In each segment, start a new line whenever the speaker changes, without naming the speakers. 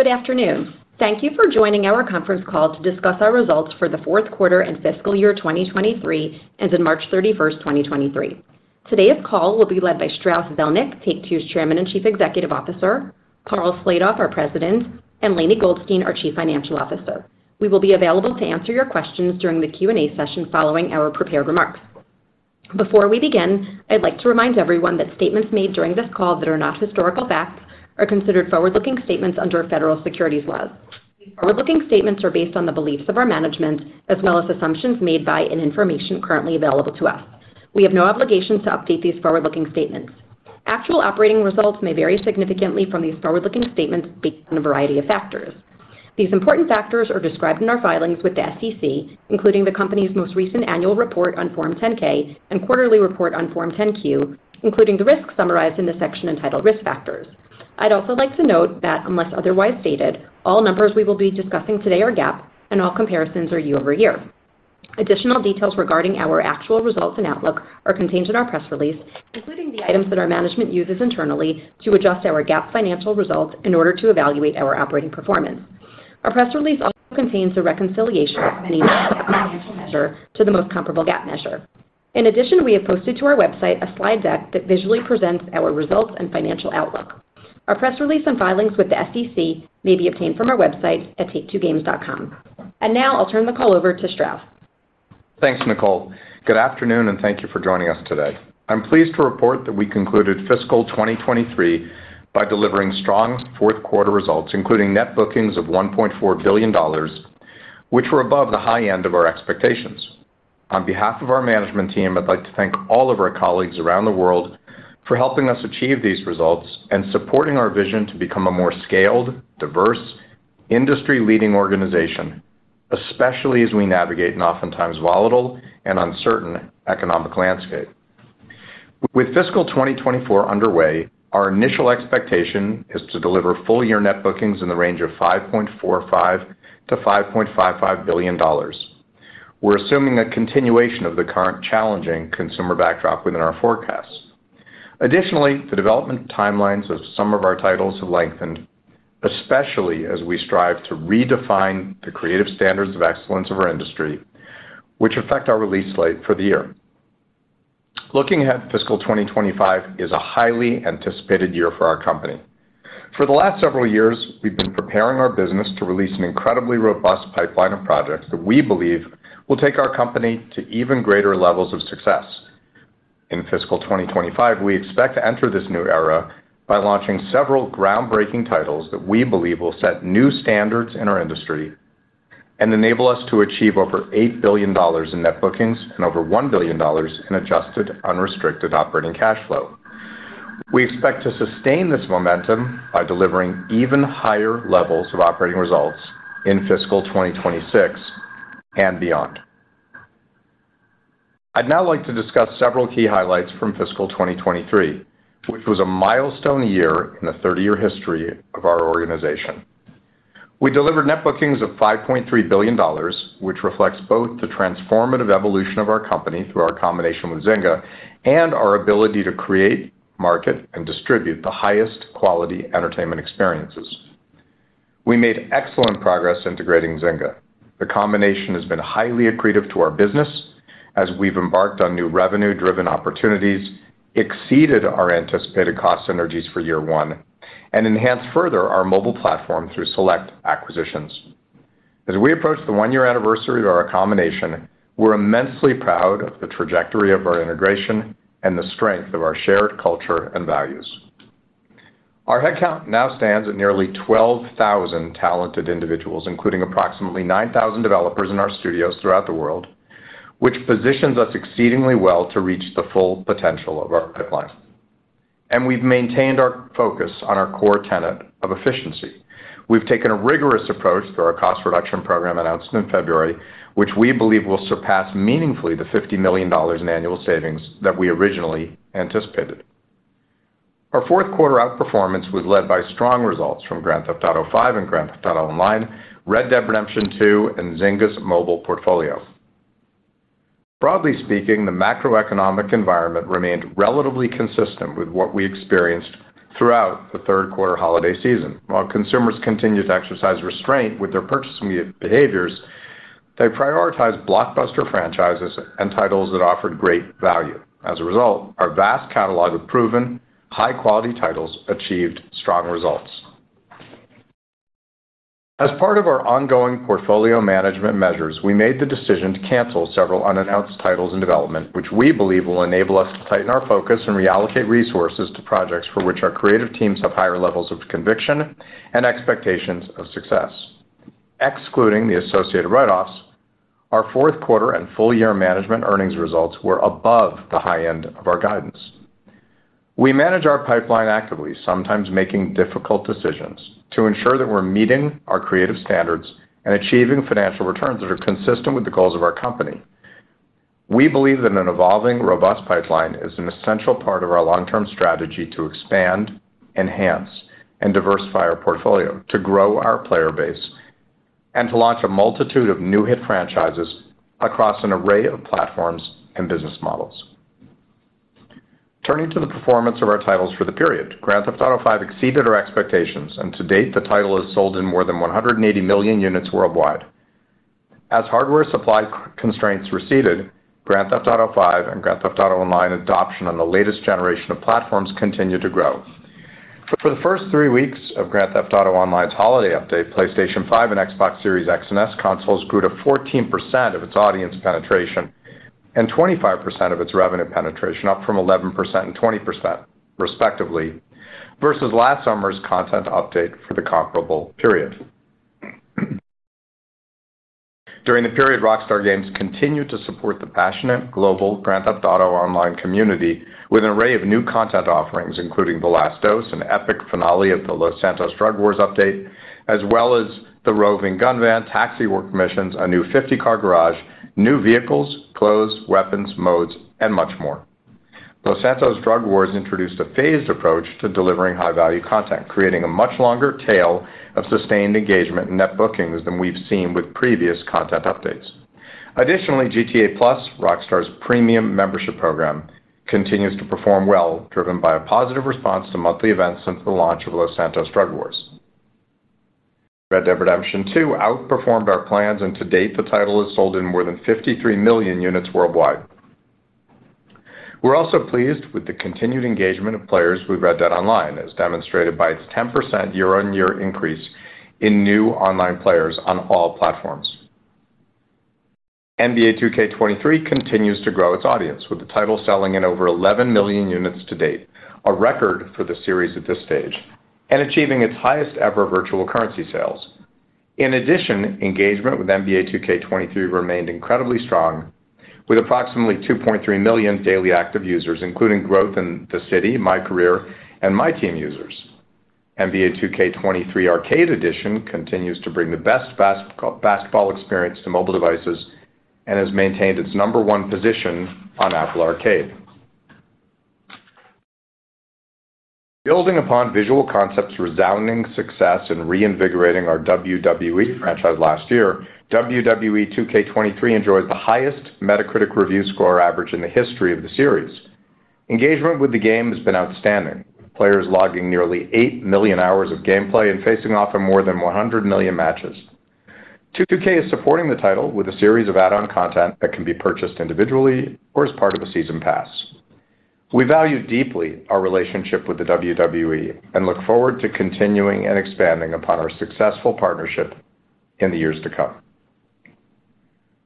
Good afternoon. Thank you for joining our conference call to discuss our results for the fourth quarter and fiscal year 2023 as in March 31, 2023. Today's call will be led by Strauss Zelnick, Take-Two's Chairman and Chief Executive Officer, Karl Slatoff, our President, and Lainie Goldstein, our Chief Financial Officer. We will be available to answer your questions during the Q&A session following our prepared remarks. Before we begin, I'd like to remind everyone that statements made during this call that are not historical facts are considered forward-looking statements under federal securities laws. These forward-looking statements are based on the beliefs of our management as well as assumptions made by and information currently available to us. We have no obligation to update these forward-looking statements. Actual operating results may vary significantly from these forward-looking statements based on a variety of factors. These important factors are described in our filings with the SEC, including the company's most recent annual report on Form 10-K and quarterly report on Form 10-Q, including the risks summarized in the section entitled Risk Factors. I'd also like to note that unless otherwise stated, all numbers we will be discussing today are GAAP and all comparisons are year-over-year. Additional details regarding our actual results and outlook are contained in our press release, including the items that our management uses internally to adjust our GAAP financial results in order to evaluate our operating performance. Our press release also contains a reconciliation of the non-GAAP financial measure to the most comparable GAAP measure. We have posted to our website a slide deck that visually presents our results and financial outlook. Our press release and filings with the SEC may be obtained from our website at take2games.com. Now I'll turn the call over to Strauss.
Thanks, Nicole. Good afternoon, and thank you for joining us today. I'm pleased to report that we concluded fiscal 2023 by delivering strong fourth quarter results, including Net Bookings of $1.4 billion, which were above the high end of our expectations. On behalf of our management team, I'd like to thank all of our colleagues around the world for helping us achieve these results and supporting our vision to become a more scaled, diverse, industry-leading organization, especially as we navigate an oftentimes volatile and uncertain economic landscape. With fiscal 2024 underway, our initial expectation is to deliver full-year Net Bookings in the range of $5.45 billion-$5.55 billion. We're assuming a continuation of the current challenging consumer backdrop within our forecast. Additionally, the development timelines of some of our titles have lengthened, especially as we strive to redefine the creative standards of excellence of our industry, which affect our release slate for the year. Looking ahead, fiscal 2025 is a highly anticipated year for our company. For the last several years, we've been preparing our business to release an incredibly robust pipeline of projects that we believe will take our company to even greater levels of success. In fiscal 2025, we expect to enter this new era by launching several groundbreaking titles that we believe will set new standards in our industry and enable us to achieve over $8 billion in Net Bookings and over $1 billion in Adjusted Unrestricted Operating Cash Flow. We expect to sustain this momentum by delivering even higher levels of operating results in fiscal 2026 and beyond. I'd now like to discuss several key highlights from fiscal 2023, which was a milestone year in the 30-year history of our organization. We delivered Net Bookings of $5.3 billion, which reflects both the transformative evolution of our company through our combination with Zynga and our ability to create, market, and distribute the highest quality entertainment experiences. We made excellent progress integrating Zynga. The combination has been highly accretive to our business as we've embarked on new revenue-driven opportunities, exceeded our anticipated cost synergies for year one, and enhanced further our mobile platform through select acquisitions. As we approach the one-year anniversary of our combination, we're immensely proud of the trajectory of our integration and the strength of our shared culture and values. Our headcount now stands at nearly 12,000 talented individuals, including approximately 9,000 developers in our studios throughout the world, which positions us exceedingly well to reach the full potential of our pipeline. We've maintained our focus on our core tenet of efficiency. We've taken a rigorous approach through our cost reduction program announced in February, which we believe will surpass meaningfully the $50 million in annual savings that we originally anticipated. Our fourth quarter outperformance was led by strong results from Grand Theft Auto V and Grand Theft Auto Online, Red Dead Redemption II, and Zynga's mobile portfolio. Broadly speaking, the macroeconomic environment remained relatively consistent with what we experienced throughout the third quarter holiday season. While consumers continued to exercise restraint with their purchasing behaviors, they prioritized blockbuster franchises and titles that offered great value. As a result, our vast catalog of proven high-quality titles achieved strong results. As part of our ongoing portfolio management measures, we made the decision to cancel several unannounced titles in development, which we believe will enable us to tighten our focus and reallocate resources to projects for which our creative teams have higher levels of conviction and expectations of success. Excluding the associated write-offs, our fourth quarter and full year management earnings results were above the high end of our guidance. We manage our pipeline actively, sometimes making difficult decisions to ensure that we're meeting our creative standards and achieving financial returns that are consistent with the goals of our company. We believe that an evolving, robust pipeline is an essential part of our long-term strategy to expand, enhance, and diversify our portfolio to grow our player base and to launch a multitude of new hit franchises across an array of platforms and business models. Turning to the performance of our titles for the period. Grand Theft Auto V exceeded our expectations, and to date, the title has sold in more than 180 million units worldwide. As hardware supply constraints receded, Grand Theft Auto V and Grand Theft Auto Online adoption on the latest generation of platforms continued to grow. For the first 3 weeks of Grand Theft Auto Online's holiday update, PlayStation 5 and Xbox Series X|S consoles grew to 14% of its audience penetration and 25% of its revenue penetration, up from 11% and 20% respectively, versus last summer's content update for the comparable period. During the period, Rockstar Games continued to support the passionate global Grand Theft Auto Online community with an array of new content offerings, including The Last Dose, an epic finale of the Los Santos Drug Wars update, as well as the roving Gun Van, taxi work missions, a new 50-car garage, new vehicles, clothes, weapons, modes, and much more. Los Santos Drug Wars introduced a phased approach to delivering high-value content, creating a much longer tail of sustained engagement in Net Bookings than we've seen with previous content updates. Additionally, GTA+, Rockstar's premium membership program, continues to perform well, driven by a positive response to monthly events since the launch of Los Santos Drug Wars. Red Dead Redemption 2 outperformed our plans, and to date, the title has sold in more than 53 million units worldwide. We're also pleased with the continued engagement of players with Red Dead Online, as demonstrated by its 10% year-on-year increase in new online players on all platforms. NBA 2K23 continues to grow its audience, with the title selling in over 11 million units to date, a record for the series at this stage, and achieving its highest-ever virtual currency sales. In addition, engagement with NBA 2K23 remained incredibly strong, with approximately 2.3 million daily active users, including growth in The City, MyCAREER, and MyTEAM users. NBA 2K23 Arcade Edition continues to bring the best basketball experience to mobile devices and has maintained its number one position on Apple Arcade. Building upon Visual Concepts' resounding success in reinvigorating our WWE franchise last year, WWE 2K23 enjoyed the highest Metacritic review score average in the history of the series. Engagement with the game has been outstanding, with players logging nearly 8 million hours of gameplay and facing off in more than 100 million matches. 2K is supporting the title with a series of add-on content that can be purchased individually or as part of a season pass. We value deeply our relationship with the WWE and look forward to continuing and expanding upon our successful partnership in the years to come.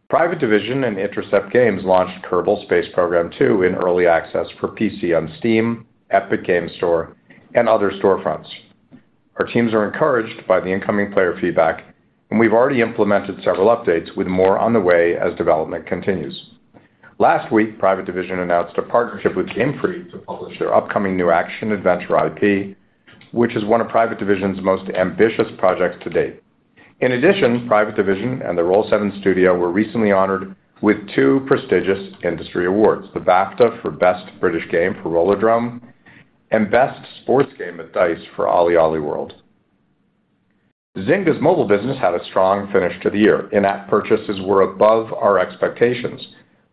Private Division and Intercept Games launched Kerbal Space Program 2 in early access for PC on Steam, Epic Games Store, and other storefronts. Our teams are encouraged by the incoming player feedback. We've already implemented several updates with more on the way as development continues. Last week, Private Division announced a partnership with Game Freak to publish their upcoming new action-adventure IP, which is one of Private Division's most ambitious projects to date. In addition, Private Division and the Roll7 Studio were recently honored with two prestigious industry awards, the BAFTA for Best British Game for Rollerdrome and Best Sports Game at DICE for OlliOlli World. Zynga's mobile business had a strong finish to the year. In-app purchases were above our expectations.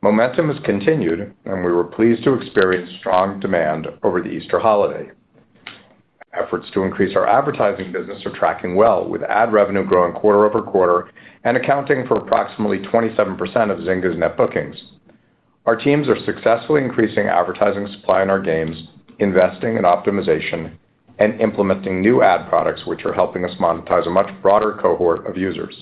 Momentum has continued. We were pleased to experience strong demand over the Easter holiday. Efforts to increase our advertising business are tracking well, with ad revenue growing quarter-over-quarter and accounting for approximately 27% of Zynga's Net Bookings. Our teams are successfully increasing advertising supply in our games, investing in optimization, and implementing new ad products, which are helping us monetize a much broader cohort of users.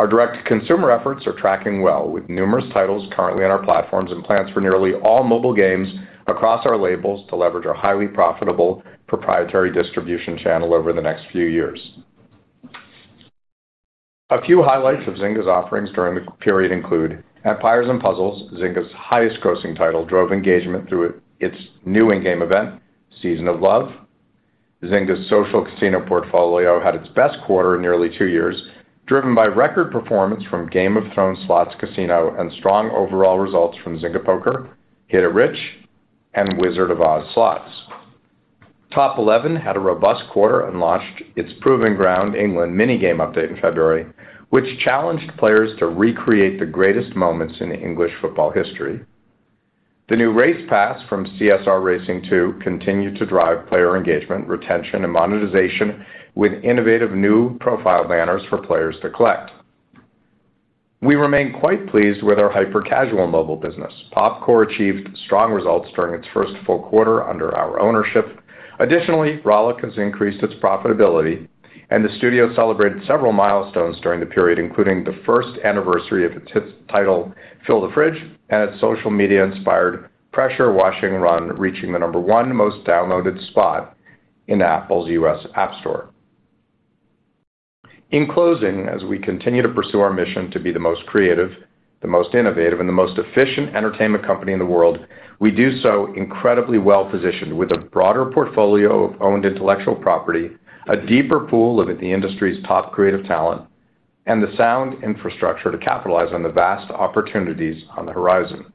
Our direct-to-consumer efforts are tracking well with numerous titles currently on our platforms and plans for nearly all mobile games across our labels to leverage our highly profitable proprietary distribution channel over the next few years. A few highlights of Zynga's offerings during the period include Empires & Puzzles, Zynga's highest-grossing title, drove engagement through its new in-game event, Season of Love. Zynga's social casino portfolio had its best quarter in nearly two years, driven by record performance from Game of Thrones Slots Casino and strong overall results from Zynga Poker, Hit It Rich, and Wizard of Oz Slots. Top Eleven had a robust quarter and launched its Proving Ground: England mini game update in February, which challenged players to recreate the greatest moments in English football history. The new Race Pass from CSR Racing 2 continued to drive player engagement, retention, and monetization with innovative new profile banners for players to collect. We remain quite pleased with our hyper-casual mobile business. Popcore achieved strong results during its first full quarter under our ownership. Additionally, Rollic has increased its profitability, and the studio celebrated several milestones during the period, including the first anniversary of its title Fill The Fridge and its social media-inspired Pressure Washing Run, reaching the number one most downloaded spot in Apple's US App Store. In closing, as we continue to pursue our mission to be the most creative, the most innovative, and the most efficient entertainment company in the world, we do so incredibly well-positioned with a broader portfolio of owned intellectual property, a deeper pool of the industry's top creative talent, and the sound infrastructure to capitalize on the vast opportunities on the horizon.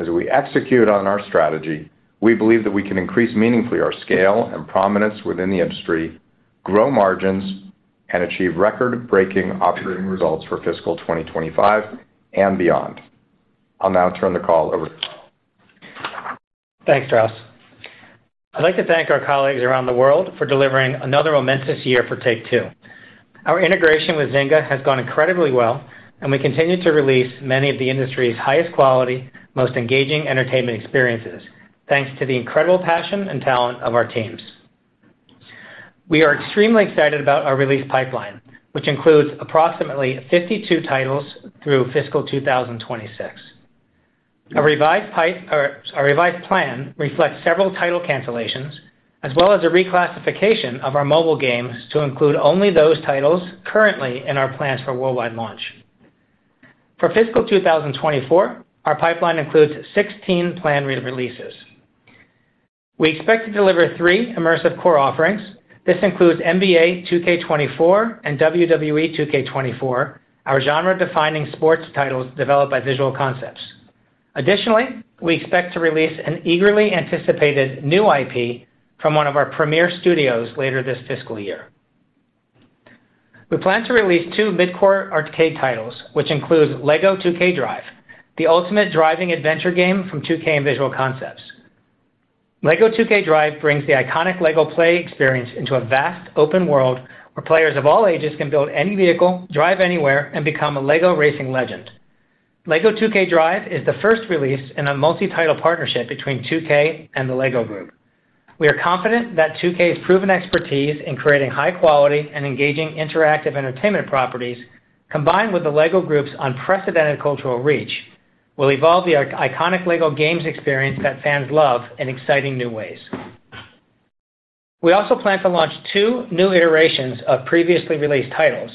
As we execute on our strategy, we believe that we can increase meaningfully our scale and prominence within the industry, grow margins, achieve record-breaking operating results for fiscal 2025 and beyond. I'll now turn the call over to Karl.
Thanks, Strauss. I'd like to thank our colleagues around the world for delivering another momentous year for Take-Two. We continue to release many of the industry's highest quality, most engaging entertainment experiences, thanks to the incredible passion and talent of our teams. We are extremely excited about our release pipeline, which includes approximately 52 titles through fiscal 2026. Our revised plan reflects several title cancellations, as well as a reclassification of our mobile games to include only those titles currently in our plans for worldwide launch. For fiscal 2024, our pipeline includes 16 planned re-releases. We expect to deliver 3 immersive core offerings. This includes NBA 2K24 and WWE 2K24, our genre-defining sports titles developed by Visual Concepts. Additionally, we expect to release an eagerly anticipated new IP from one of our premier studios later this fiscal year. We plan to release two mid-core arcade titles, which include LEGO 2K Drive, the ultimate driving adventure game from 2K and Visual Concepts. LEGO 2K Drive brings the iconic LEGO play experience into a vast open world where players of all ages can build any vehicle, drive anywhere, and become a LEGO racing legend. LEGO 2K Drive is the first release in a multi-title partnership between 2K and the LEGO Group. We are confident that 2K's proven expertise in creating high quality and engaging interactive entertainment properties combined with the LEGO Group's unprecedented cultural reach will evolve the iconic LEGO games experience that fans love in exciting new ways. We also plan to launch 2 new iterations of previously released titles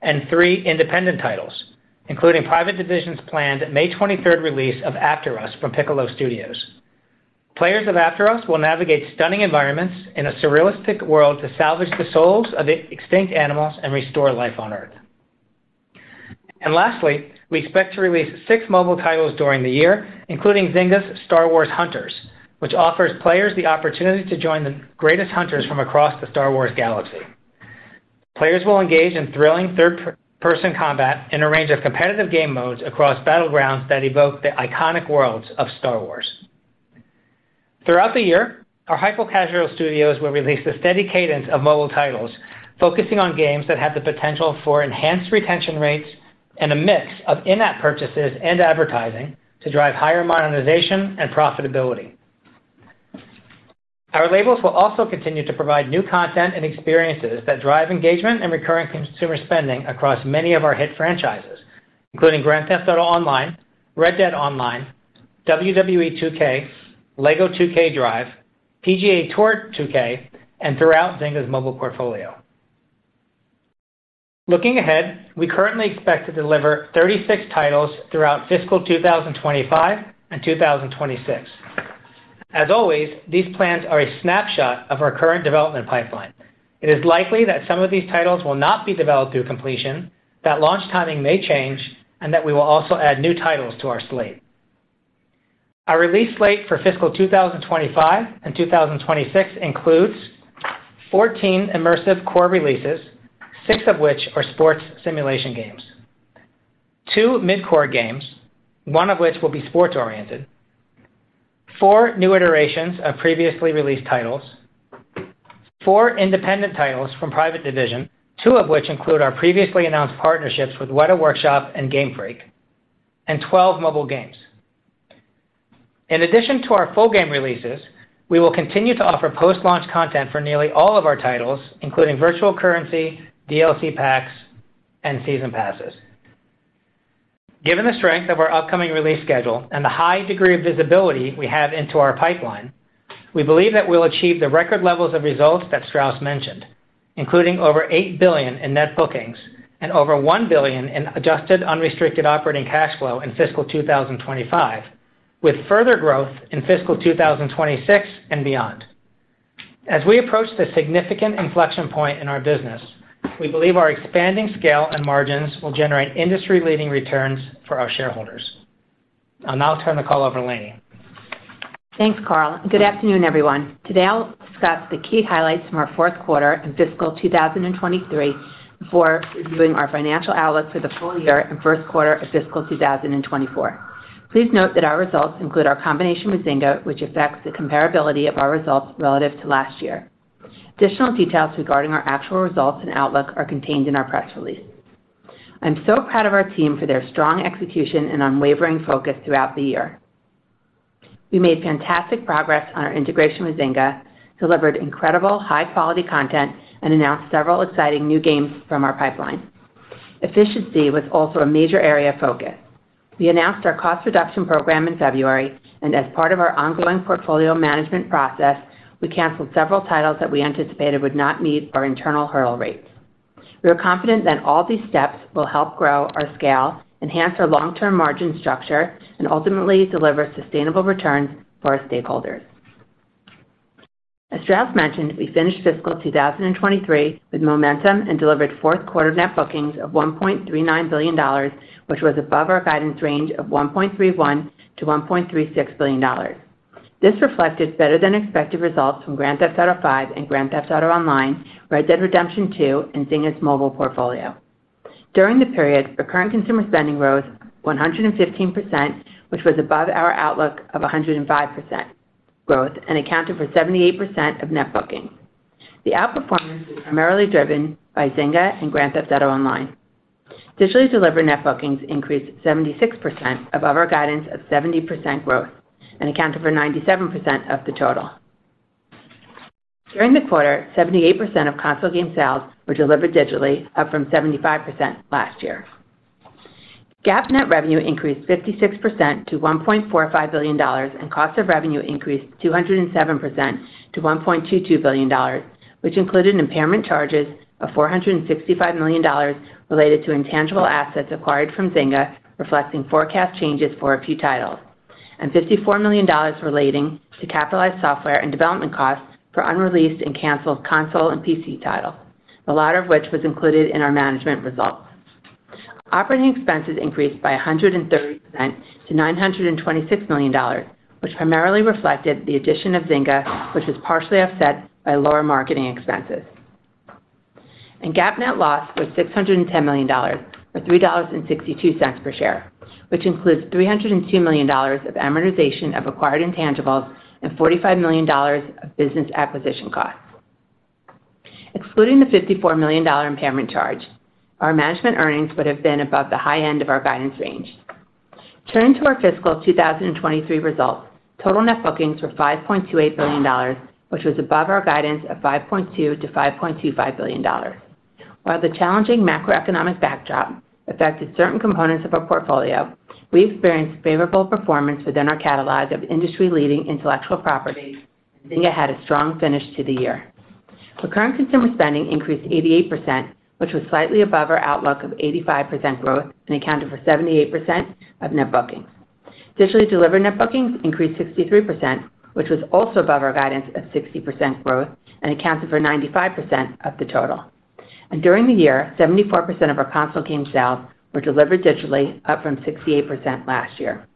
and 3 independent titles, including Private Division's planned May 23rd release of After Us from Piccolo Studio. Players of After Us will navigate stunning environments in a surrealistic world to salvage the souls of extinct animals and restore life on Earth. Lastly, we expect to release 6 mobile titles during the year, including Zynga's Star Wars: Hunters, which offers players the opportunity to join the greatest hunters from across the Star Wars galaxy. Players will engage in thrilling third-person combat in a range of competitive game modes across battlegrounds that evoke the iconic worlds of Star Wars. Throughout the year, our hyper-casual studios will release a steady cadence of mobile titles, focusing on games that have the potential for enhanced retention rates and a mix of in-app purchases and advertising to drive higher monetization and profitability. Our labels will also continue to provide new content and experiences that drive engagement and recurrent consumer spending across many of our hit franchises, including Grand Theft Auto Online, Red Dead Online, WWE 2K, LEGO 2K Drive, PGA TOUR 2K, and throughout Zynga's mobile portfolio. Looking ahead, we currently expect to deliver 36 titles throughout fiscal 2025 and 2026. As always, these plans are a snapshot of our current development pipeline. It is likely that some of these titles will not be developed through completion, that launch timing may change, and that we will also add new titles to our slate. Our release slate for fiscal 2025 and 2026 includes 14 immersive core releases, 6 of which are sports simulation games. 2 mid-core games, 1 of which will be sports-oriented. 4 new iterations of previously released titles. Four independent titles from Private Division, two of which include our previously announced partnerships with Wētā Workshop and Game Freak, and 12 mobile games. In addition to our full game releases, we will continue to offer post-launch content for nearly all of our titles, including virtual currency, DLC packs, and season passes. Given the strength of our upcoming release schedule and the high degree of visibility we have into our pipeline, we believe that we'll achieve the record levels of results that Strauss mentioned, including over $8 billion in Net Bookings and over $1 billion in Adjusted Unrestricted Operating Cash Flow in fiscal 2025, with further growth in fiscal 2026 and beyond. As we approach this significant inflection point in our business, we believe our expanding scale and margins will generate industry-leading returns for our shareholders. I'll now turn the call over to Lainie.
Thanks, Karl. Good afternoon, everyone. Today, I'll discuss the key highlights from our fourth quarter and fiscal 2023 before reviewing our financial outlook for the full year and first quarter of fiscal 2024. Please note that our results include our combination with Zynga, which affects the comparability of our results relative to last year. Additional details regarding our actual results and outlook are contained in our press release. I'm so proud of our team for their strong execution and unwavering focus throughout the year. We made fantastic progress on our integration with Zynga, delivered incredible high-quality content, and announced several exciting new games from our pipeline. Efficiency was also a major area of focus. We announced our cost reduction program in February. As part of our ongoing portfolio management process, we canceled several titles that we anticipated would not meet our internal hurdle rates. We are confident that all these steps will help grow our scale, enhance our long-term margin structure, and ultimately deliver sustainable returns for our stakeholders. As Strauss mentioned, we finished fiscal 2023 with momentum and delivered fourth quarter Net Bookings of $1.39 billion, which was above our guidance range of $1.31 billion-$1.36 billion. This reflected better than expected results from Grand Theft Auto V and Grand Theft Auto Online, Red Dead Redemption 2, and Zynga's mobile portfolio. During the period, recurrent consumer spending rose 115%, which was above our outlook of 105% growth and accounted for 78% of Net Bookings. The outperformance was primarily driven by Zynga and Grand Theft Auto Online. Digitally delivered Net Bookings increased 76% above our guidance of 70% growth and accounted for 97% of the total. During the quarter, 78% of console game sales were delivered digitally, up from 75% last year. GAAP net revenue increased 56% to $1.45 billion, and cost of revenue increased 207% to $1.22 billion, which included impairment charges of $465 million related to intangible assets acquired from Zynga, reflecting forecast changes for a few titles, and $54 million relating to capitalized software and development costs for unreleased and canceled console and PC titles, the latter of which was included in our management results. Operating expenses increased by 130% to $926 million, which primarily reflected the addition of Zynga, which was partially offset by lower marketing expenses. GAAP net loss was $610 million, or $3.62 per share, which includes $302 million of amortization of acquired intangibles and $45 million of business acquisition costs. Excluding the $54 million impairment charge, our management earnings would have been above the high end of our guidance range. Turning to our fiscal 2023 results, total Net Bookings were $5.28 billion, which was above our guidance of $5.2 billion-$5.25 billion. While the challenging macroeconomic backdrop affected certain components of our portfolio, we experienced favorable performance within our catalog of industry-leading intellectual properties, and Zynga had a strong finish to the year. Recurrent Consumer Spending increased 88%, which was slightly above our outlook of 85% growth and accounted for 78% of Net Bookings. Digitally delivered Net Bookings increased 63%, which was also above our guidance of 60% growth and accounted for 95% of the total. During the year, 74% of our console game sales were delivered digitally, up from 68% last year.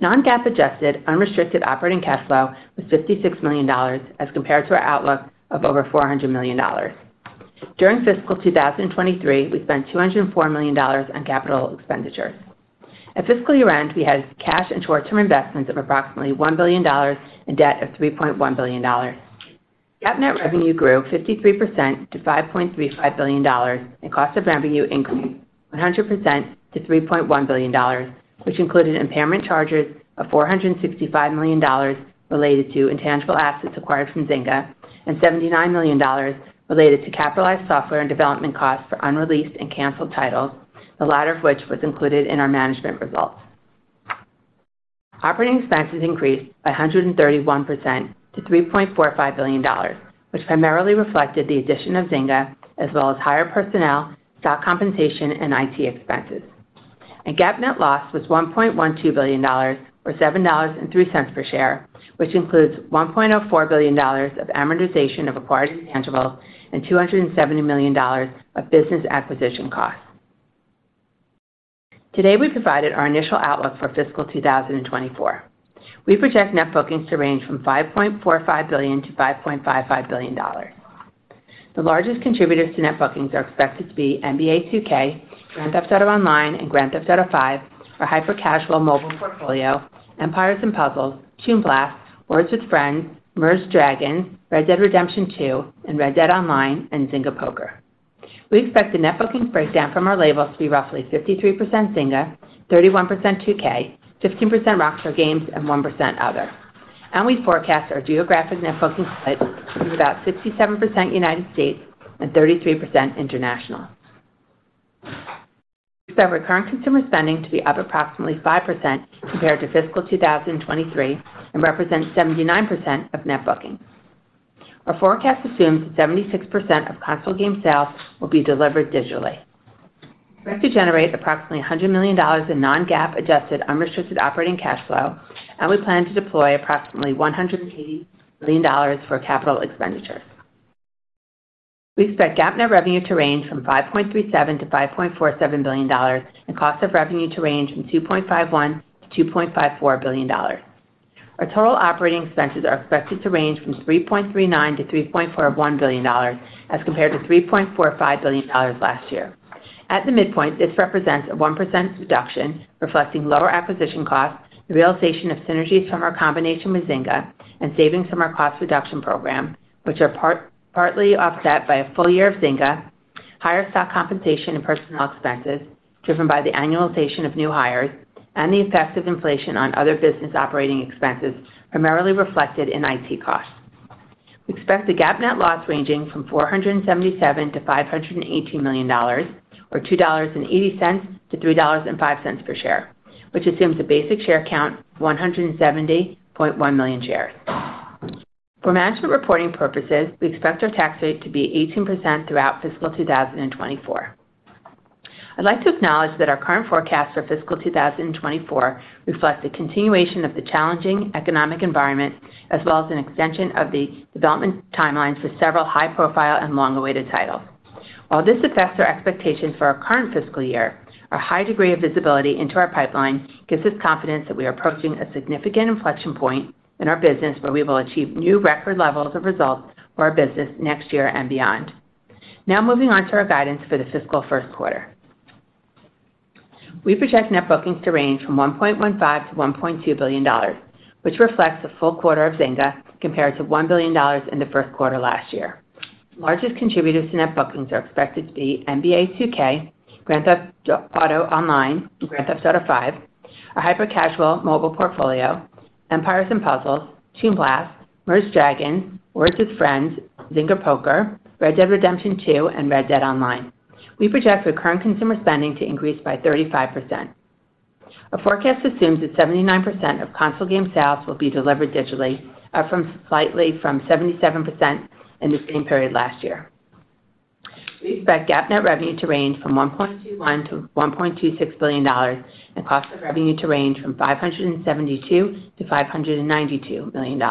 Non-GAAP Adjusted Unrestricted Operating Cash Flow was $56 million as compared to our outlook of over $400 million. During fiscal 2023, we spent $204 million on capital expenditures. At fiscal year-end, we had cash and short-term investments of approximately $1 billion and debt of $3.1 billion. GAAP net revenue grew 53% to $5.35 billion. Cost of revenue increased 100% to $3.1 billion, which included impairment charges of $465 million related to intangible assets acquired from Zynga, and $79 million related to capitalized software and development costs for unreleased and canceled titles, the latter of which was included in our management results. Operating expenses increased by 131 to $3.45 billion, which primarily reflected the addition of Zynga as well as higher personnel, stock compensation, and IT expenses. GAAP net loss was $1.12 billion or $7.03 per share, which includes $1.04 billion of amortization of acquired intangibles and $270 million of business acquisition costs. Today, we provided our initial outlook for fiscal 2024. We project Net Bookings to range from $5.45 billion-$5.55 billion. The largest contributors to Net Bookings are expected to be NBA 2K, Grand Theft Auto Online, and Grand Theft Auto V, our hyper-casual mobile portfolio, Empires & Puzzles, Toon Blast, Words With Friends, Merge Dragons!, Red Dead Redemption 2, and Red Dead Online, and Zynga Poker. We expect the Net Bookings breakdown from our labels to be roughly 53% Zynga, 31% 2K, 15% Rockstar Games, and 1% other. We forecast our geographic Net Bookings split to be about 67% United States and 33% international. We expect recurrent consumer spending to be up approximately 5% compared to fiscal 2023 and represent 79% of Net Bookings. Our forecast assumes that 76% of console game sales will be delivered digitally. We expect to generate approximately $100 million in non-GAAP Adjusted Unrestricted Operating Cash Flow, and we plan to deploy approximately $180 million for capital expenditures. We expect GAAP net revenue to range from $5.37 billion-$5.47 billion and cost of revenue to range from $2.51 billion-$2.54 billion. Our total operating expenses are expected to range from $3.39 billion-$3.41 billion as compared to $3.45 billion last year. At the midpoint, this represents a 1% reduction, reflecting lower acquisition costs, the realization of synergies from our combination with Zynga, and savings from our cost reduction program, which are partly offset by a full year of Zynga, higher stock compensation and personnel expenses driven by the annualization of new hires, and the effects of inflation on other business operating expenses, primarily reflected in IT costs. We expect a GAAP net loss ranging from $477 million-$518 million, or $2.80-$3.05 per share, which assumes a basic share count of 170.1 million shares. For management reporting purposes, we expect our tax rate to be 18% throughout fiscal 2024. I'd like to acknowledge that our current forecast for fiscal 2024 reflects the continuation of the challenging economic environment as well as an extension of the development timeline for several high-profile and long-awaited titles. While this affects our expectations for our current fiscal year, our high degree of visibility into our pipeline gives us confidence that we are approaching a significant inflection point in our business where we will achieve new record levels of results for our business next year and beyond. Moving on to our guidance for the fiscal first quarter. We project Net Bookings to range from $1.15 billion-$1.2 billion, which reflects a full quarter of Zynga compared to $1 billion in the first quarter last year. Largest contributors to Net Bookings are expected to be NBA 2K, Grand Theft Auto Online, and Grand Theft Auto V, our hyper-casual mobile portfolio, Empires & Puzzles, Toy Blast, Merge Dragons!, Words With Friends, Zynga Poker, Red Dead Redemption 2, and Red Dead Online. We project recurrent consumer spending to increase by 35%. Our forecast assumes that 79% of console game sales will be delivered digitally, up slightly from 77% in the same period last year. We expect GAAP net revenue to range from $1.21 billion-$1.26 billion and cost of revenue to range from $572 million-$592 million.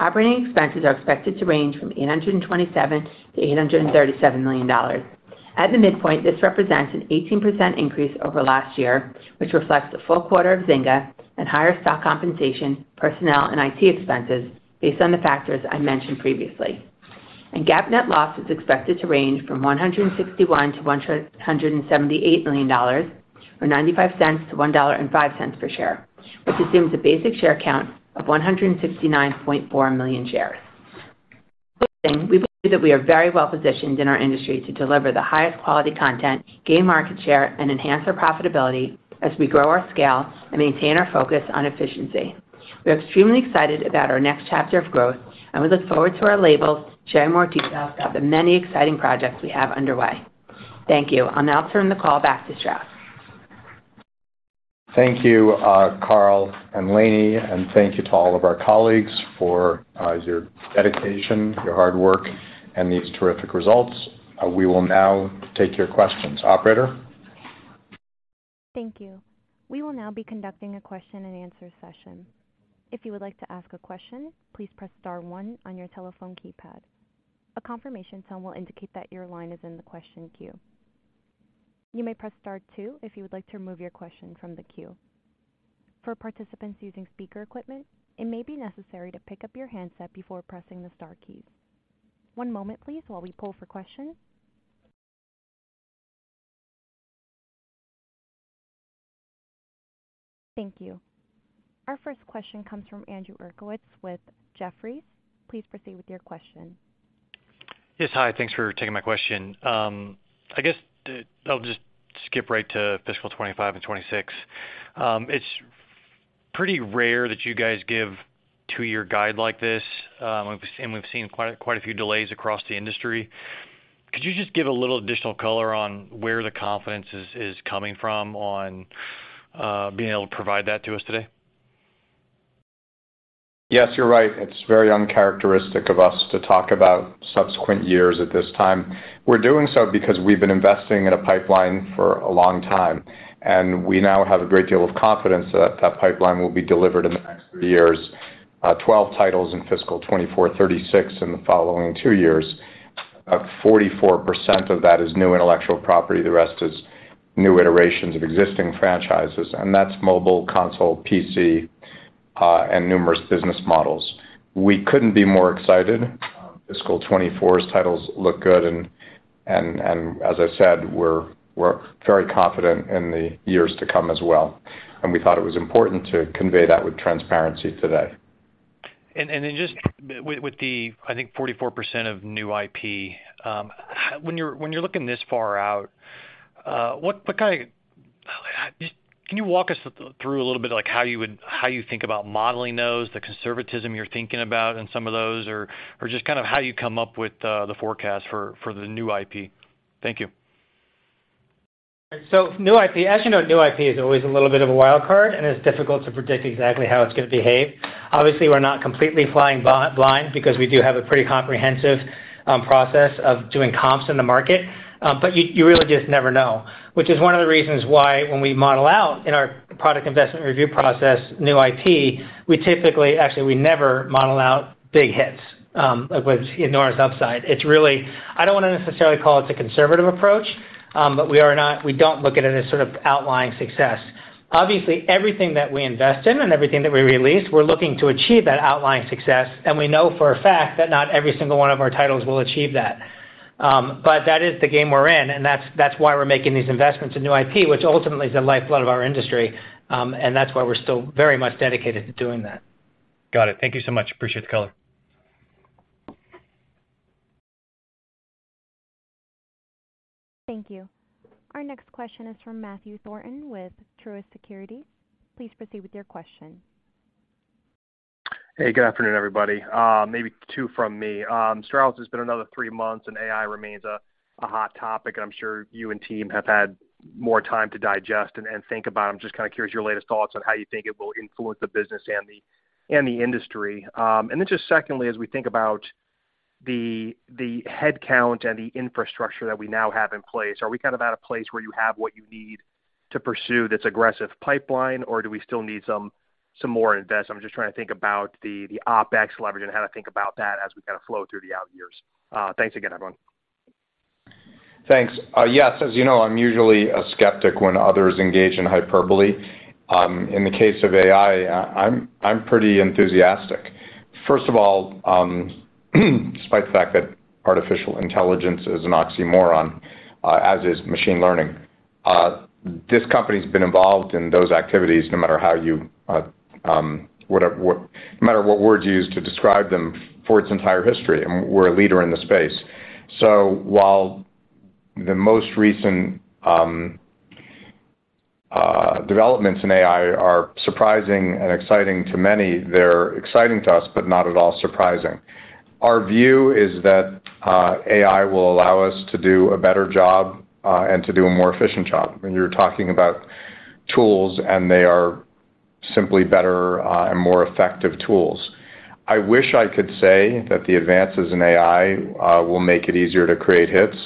Operating expenses are expected to range from $827 million-$837 million. At the midpoint, this represents an 18% increase over last year, which reflects the full quarter of Zynga and higher stock compensation, personnel, and IT expenses based on the factors I mentioned previously. GAAP net loss is expected to range from $161 million-$178 million, or $0.95-$1.05 per share, which assumes a basic share count of 169.4 million shares. We believe that we are very well positioned in our industry to deliver the highest quality content, gain market share, and enhance our profitability as we grow our scale and maintain our focus on efficiency. We are extremely excited about our next chapter of growth, and we look forward to our labels sharing more details about the many exciting projects we have underway. Thank you. I'll now turn the call back to Strauss.
Thank you, Carl and Lainie, and thank you to all of our colleagues for your dedication, your hard work, and these terrific results. We will now take your questions. Operator?
Thank you. We will now be conducting a question-and-answer session. If you would like to ask a question, please press star one on your telephone keypad. A confirmation tone will indicate that your line is in the question queue. You may press Star two if you would like to remove your question from the queue. For participants using speaker equipment, it may be necessary to pick up your handset before pressing the star keys. One moment, please, while we pull for questions. Thank you. Our first question comes from Andrew Uerkwitz with Jefferies. Please proceed with your question.
Yes, hi. Thanks for taking my question. I guess I'll just skip right to fiscal 25 and 26. It's pretty rare that you guys give 2-year guide like this. We've seen quite a few delays across the industry. Could you just give a little additional color on where the confidence is coming from on being able to provide that to us today?
Yes, you're right. It's very uncharacteristic of us to talk about subsequent years at this time. We're doing so because we've been investing in a pipeline for a long time, and we now have a great deal of confidence that pipeline will be delivered in the next three years. 12 titles in fiscal 2024, 36 in the following two years. 44% of that is new intellectual property. The rest is new iterations of existing franchises, and that's mobile, console, PC, and numerous business models. We couldn't be more excited. Fiscal 2024's titles look good and as I said, we're very confident in the years to come as well, and we thought it was important to convey that with transparency today.
Just with the, I think, 44% of new IP, when you're looking this far out, Can you walk us through a little bit like how you think about modeling those, the conservatism you're thinking about in some of those or just kind of how you come up with the forecast for the new IP? Thank you.
New IP. As you know, new IP is always a little bit of a wild card, and it's difficult to predict exactly how it's going to behave. Obviously, we're not completely flying blind because we do have a pretty comprehensive process of doing comps in the market. You really just never know, which is one of the reasons why when we model out in our product investment review process, new IP, actually we never model out big hits, which ignores upside. I don't want to necessarily call it a conservative approach, but we don't look at it as sort of outlying success. Obviously, everything that we invest in and everything that we release, we're looking to achieve that outlying success, and we know for a fact that not every single one of our titles will achieve that. That is the game we're in, and that's why we're making these investments in new IP, which ultimately is the lifeblood of our industry. That's why we're still very much dedicated to doing that.
Got it. Thank you so much. Appreciate the color.
Thank you. Our next question is from Matthew Thornton with Truist Securities. Please proceed with your question.
Hey, good afternoon, everybody. Maybe two from me. Strauss, it's been another three months, and AI remains a hot topic. I'm sure you and team have had more time to digest and think about them. Just kinda curious your latest thoughts on how you think it will influence the business and the industry? Just secondly, as we think about the headcount and the infrastructure that we now have in place, are we kind of at a place where you have what you need?
To pursue this aggressive pipeline, or do we still need some more invest? I'm just trying to think about the OpEx leverage and how to think about that as we kind of flow through the out years. Thanks again, everyone.
Thanks. Yes, as you know, I'm usually a skeptic when others engage in hyperbole. In the case of AI, I'm pretty enthusiastic. First of all, despite the fact that artificial intelligence is an oxymoron, as is machine learning, this company's been involved in those activities no matter how you no matter what word you use to describe them for its entire history, and we're a leader in the space. While the most recent developments in AI are surprising and exciting to many, they're exciting to us, but not at all surprising. Our view is that AI will allow us to do a better job and to do a more efficient job when you're talking about tools, and they are simply better and more effective tools. I wish I could say that the advances in AI will make it easier to create hits.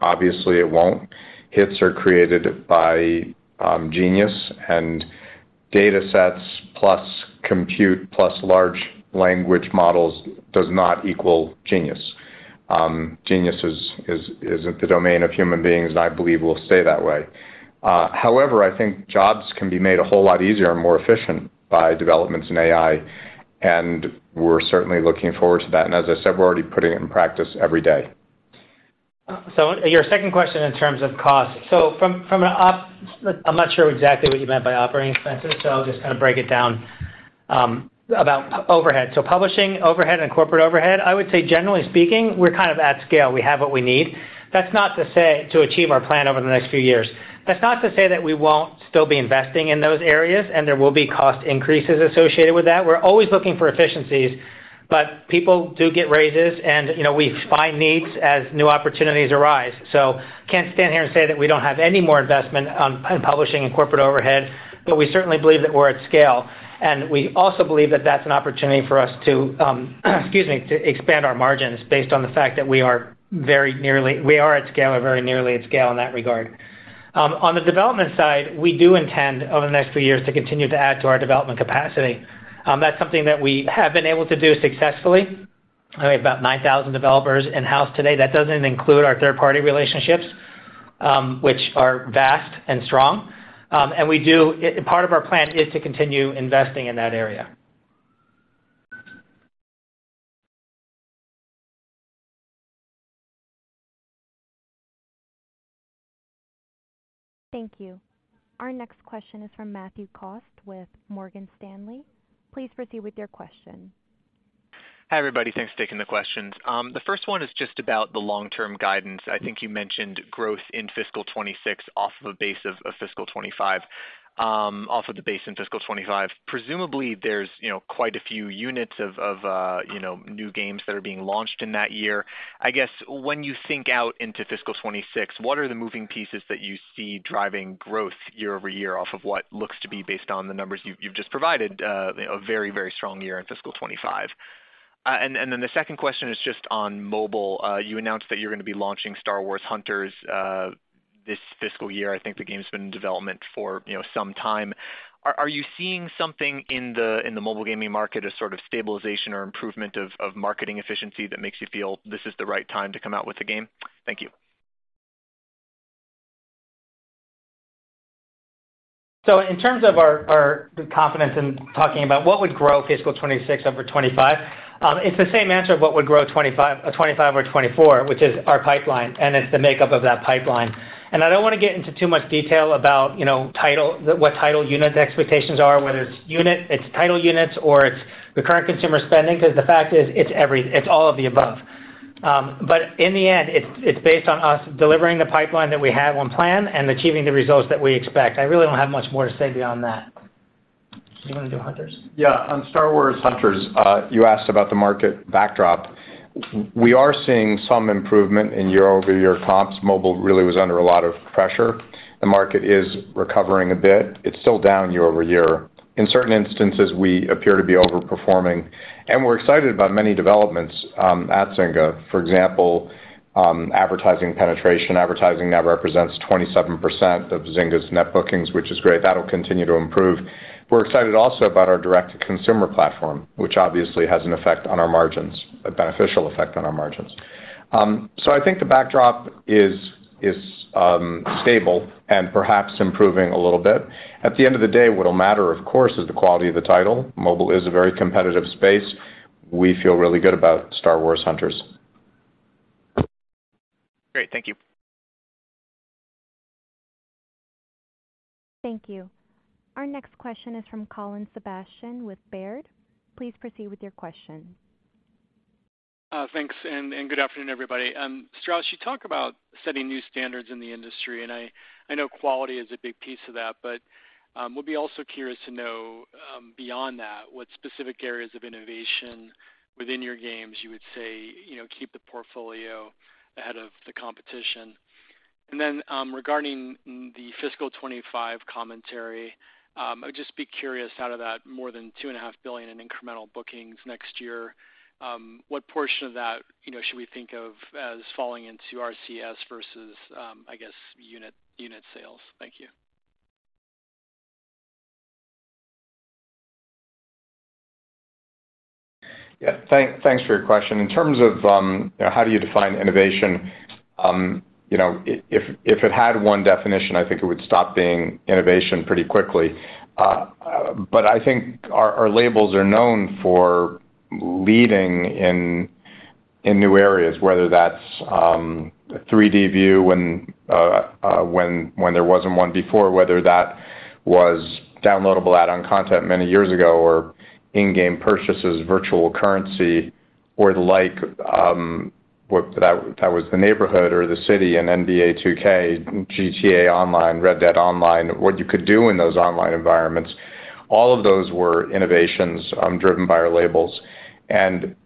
Obviously, it won't. Hits are created by genius and datasets plus compute plus large language models does not equal genius. Genius is the domain of human beings and I believe will stay that way. However, I think jobs can be made a whole lot easier and more efficient by developments in AI, and we're certainly looking forward to that. As I said, we're already putting it in practice every day.
Your second question in terms of cost. From an op, I'm not sure exactly what you meant by operating expenses, I'll just kind of break it down about overhead. Publishing overhead and corporate overhead, I would say generally speaking, we're kind of at scale. We have what we need. That's not to say to achieve our plan over the next few years. That's not to say that we won't still be investing in those areas, and there will be cost increases associated with that. We're always looking for efficiencies, but people do get raises and, you know, we find needs as new opportunities arise. Can't stand here and say that we don't have any more investment in publishing and corporate overhead, but we certainly believe that we're at scale. We also believe that that's an opportunity for us to, excuse me, to expand our margins based on the fact that we are at scale or very nearly at scale in that regard. On the development side, we do intend over the next few years to continue to add to our development capacity. That's something that we have been able to do successfully. We have about 9,000 developers in-house today. That doesn't include our third party relationships, which are vast and strong. Part of our plan is to continue investing in that area.
Thank you. Our next question is from Matthew Cost with Morgan Stanley. Please proceed with your question.
Hi, everybody. Thanks for taking the questions. The first one is just about the long-term guidance. I think you mentioned growth in fiscal 2026 off of a base of fiscal 2025. Off of the base in fiscal 2025. Presumably, there's, you know, quite a few units of, you know, new games that are being launched in that year. I guess when you think out into fiscal 2026, what are the moving pieces that you see driving growth year-over-year off of what looks to be based on the numbers you've just provided, a very, very strong year in fiscal 2025? Then the second question is just on mobile. You announced that you're going to be launching Star Wars: Hunters, this fiscal year. I think the game's been in development for, you know, some time. Are you seeing something in the mobile gaming market, a sort of stabilization or improvement of marketing efficiency that makes you feel this is the right time to come out with the game? Thank you.
In terms of our confidence in talking about what would grow fiscal 26 over 25, it's the same answer of what would grow 25 over 24, which is our pipeline, and it's the makeup of that pipeline. I don't want to get into too much detail about, you know, title, what title unit expectations are, whether it's unit, it's title units or it's the recurrent consumer spending, because the fact is it's all of the above. In the end, it's based on us delivering the pipeline that we have on plan and achieving the results that we expect. I really don't have much more to say beyond that. Do you want to do Hunters?
On Star Wars: Hunters, you asked about the market backdrop. We are seeing some improvement in year-over-year comps. Mobile really was under a lot of pressure. The market is recovering a bit. It's still down year-over-year. In certain instances, we appear to be overperforming, and we're excited about many developments at Zynga. For example, advertising penetration. Advertising now represents 27% of Zynga's Net Bookings, which is great. That'll continue to improve. We're excited also about our direct-to-consumer platform, which obviously has an effect on our margins, a beneficial effect on our margins. I think the backdrop is stable and perhaps improving a little bit. At the end of the day, what'll matter, of course, is the quality of the title. Mobile is a very competitive space. We feel really good about Star Wars: Hunters.
Great. Thank you.
Thank you. Our next question is from Colin Sebastian with Baird. Please proceed with your question.
Thanks, and good afternoon, everybody. Strauss, you talk about setting new standards in the industry, and I know quality is a big piece of that, but we'll be also curious to know beyond that, what specific areas of innovation within your games you would say, you know, keep the portfolio ahead of the competition. Then regarding the fiscal 2025 commentary, I'd just be curious out of that more than $2.5 billion in incremental bookings next year, what portion of that, you know, should we think of as falling into RCS versus I guess, unit sales? Thank you.
Thanks for your question. In terms of, you know, how do you define innovation, you know, if it had one definition, I think it would stop being innovation pretty quickly. I think our labels are known for leading in new areas, whether that's a 3D view when there wasn't one before, whether that was downloadable add-on content many years ago, or in-game purchases, virtual currency or the like, whether that was the neighborhood or The City in NBA 2K, Grand Theft Auto Online, Red Dead Online, what you could do in those online environments, all of those were innovations, driven by our labels.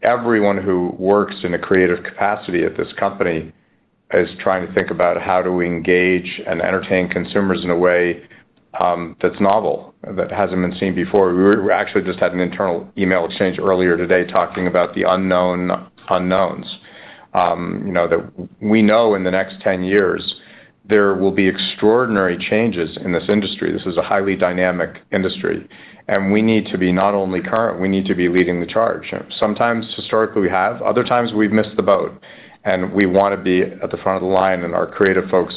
Everyone who works in a creative capacity at this company is trying to think about how do we engage and entertain consumers in a way that's novel, that hasn't been seen before. Actually just had an internal email exchange earlier today talking about the unknown unknowns, you know, that we know in the next 10 years there will be extraordinary changes in this industry. This is a highly dynamic industry, we need to be not only current, we need to be leading the charge. Sometimes historically we have, other times we've missed the boat, we want to be at the front of the line, and our creative folks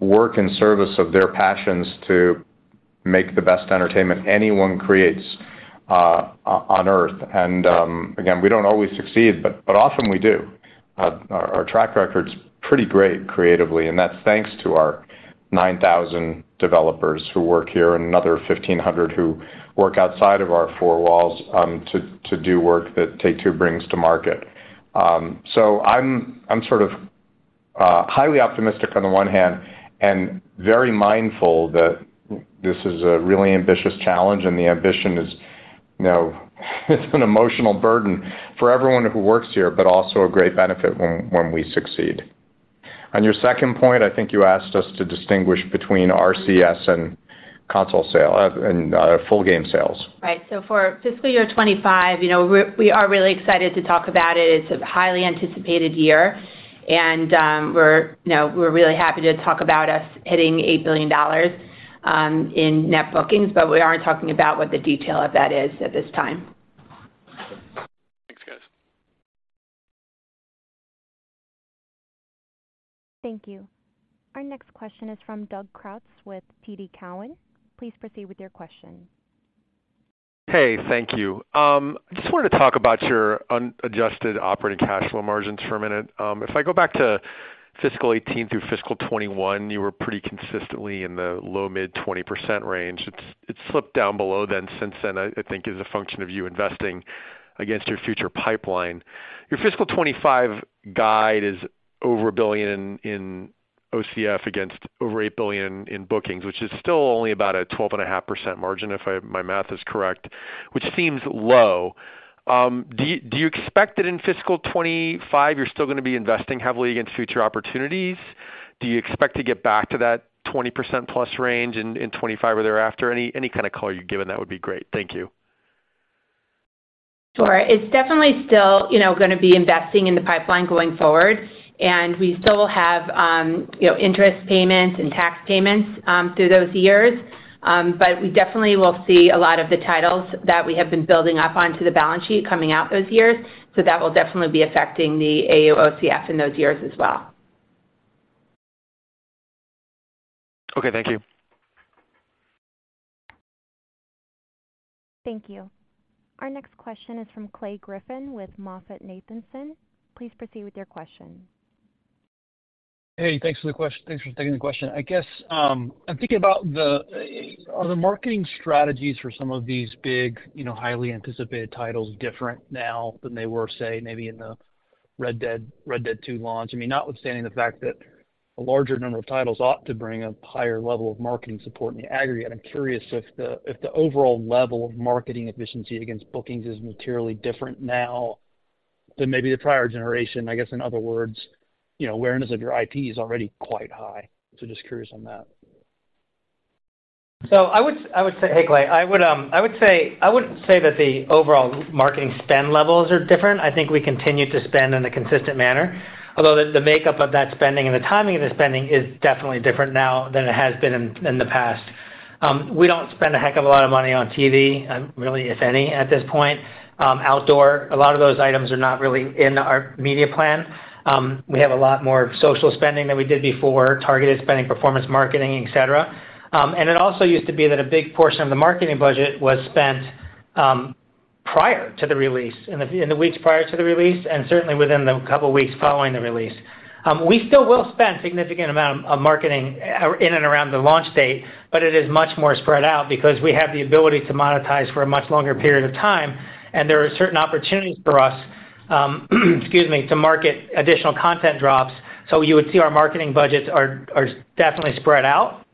work in service of their passions to make the best entertainment anyone creates on Earth. Again, we don't always succeed, but often we do. Our track record's pretty great creatively. That's thanks to our 9,000 developers who work here and another 1,500 who work outside of our four walls to do work that Take-Two brings to market. I'm sort of highly optimistic on the one hand, and very mindful that this is a really ambitious challenge and the ambition is, you know, it's an emotional burden for everyone who works here, but also a great benefit when we succeed. On your second point, I think you asked us to distinguish between RCS and console sale and full game sales.
Right. For fiscal year 2025, you know, we are really excited to talk about it. It's a highly anticipated year, and we're, you know, we're really happy to talk about us hitting $8 billion in Net Bookings, but we aren't talking about what the detail of that is at this time.
Thanks, guys.
Thank you. Our next question is from Doug Creutz with TD Cowen. Please proceed with your question.
Hey, thank you. I just wanted to talk about your unadjusted operating cash flow margins for a minute. If I go back to fiscal 2018 through fiscal 2021, you were pretty consistently in the low mid 20% range. It's slipped down below then since then, I think is a function of you investing against your future pipeline. Your fiscal 2025 guide is over $1 billion in OCF against over $8 billion in bookings, which is still only about a 12.5% margin if my math is correct, which seems low. Do you expect that in fiscal 2025 you're still going to be investing heavily against future opportunities? Do you expect to get back to that 20% plus range in 2025 or thereafter? Any kind of color you're given, that would be great. Thank you.
Sure. It's definitely still, you know, going to be investing in the pipeline going forward. We still will have, you know, interest payments and tax payments through those years. We definitely will see a lot of the titles that we have been building up onto the balance sheet coming out those years. That will definitely be affecting the AUOCF in those years as well.
Okay. Thank you.
Thank you. Our next question is from Clay Griffin with MoffettNathanson. Please proceed with your question.
Hey, thanks for taking the question. I guess, I'm thinking about the, are the marketing strategies for some of these big, you know, highly anticipated titles different now than they were, say, maybe in the Red Dead, Red Dead 2 launch? I mean, notwithstanding the fact that a larger number of titles ought to bring a higher level of marketing support in the aggregate. I'm curious if the overall level of marketing efficiency against bookings is materially different now than maybe the prior generation. I guess, in other words, you know, awareness of your IP is already quite high. Just curious on that.
I would say. Hey, Clay. I would say, I wouldn't say that the overall marketing spend levels are different. I think we continue to spend in a consistent manner, although the makeup of that spending and the timing of the spending is definitely different now than it has been in the past. We don't spend a heck of a lot of money on TV, really if any at this point. Outdoor, a lot of those items are not really in our media plan. We have a lot more social spending than we did before, targeted spending, performance marketing, et cetera. It also used to be that a big portion of the marketing budget was spent prior to the release, in the weeks prior to the release, and certainly within the couple weeks following the release. We still will spend significant amount of marketing in and around the launch date, but it is much more spread out because we have the ability to monetize for a much longer period of time, and there are certain opportunities for us, excuse me, to market additional content drops. You would see our marketing budgets are definitely spread out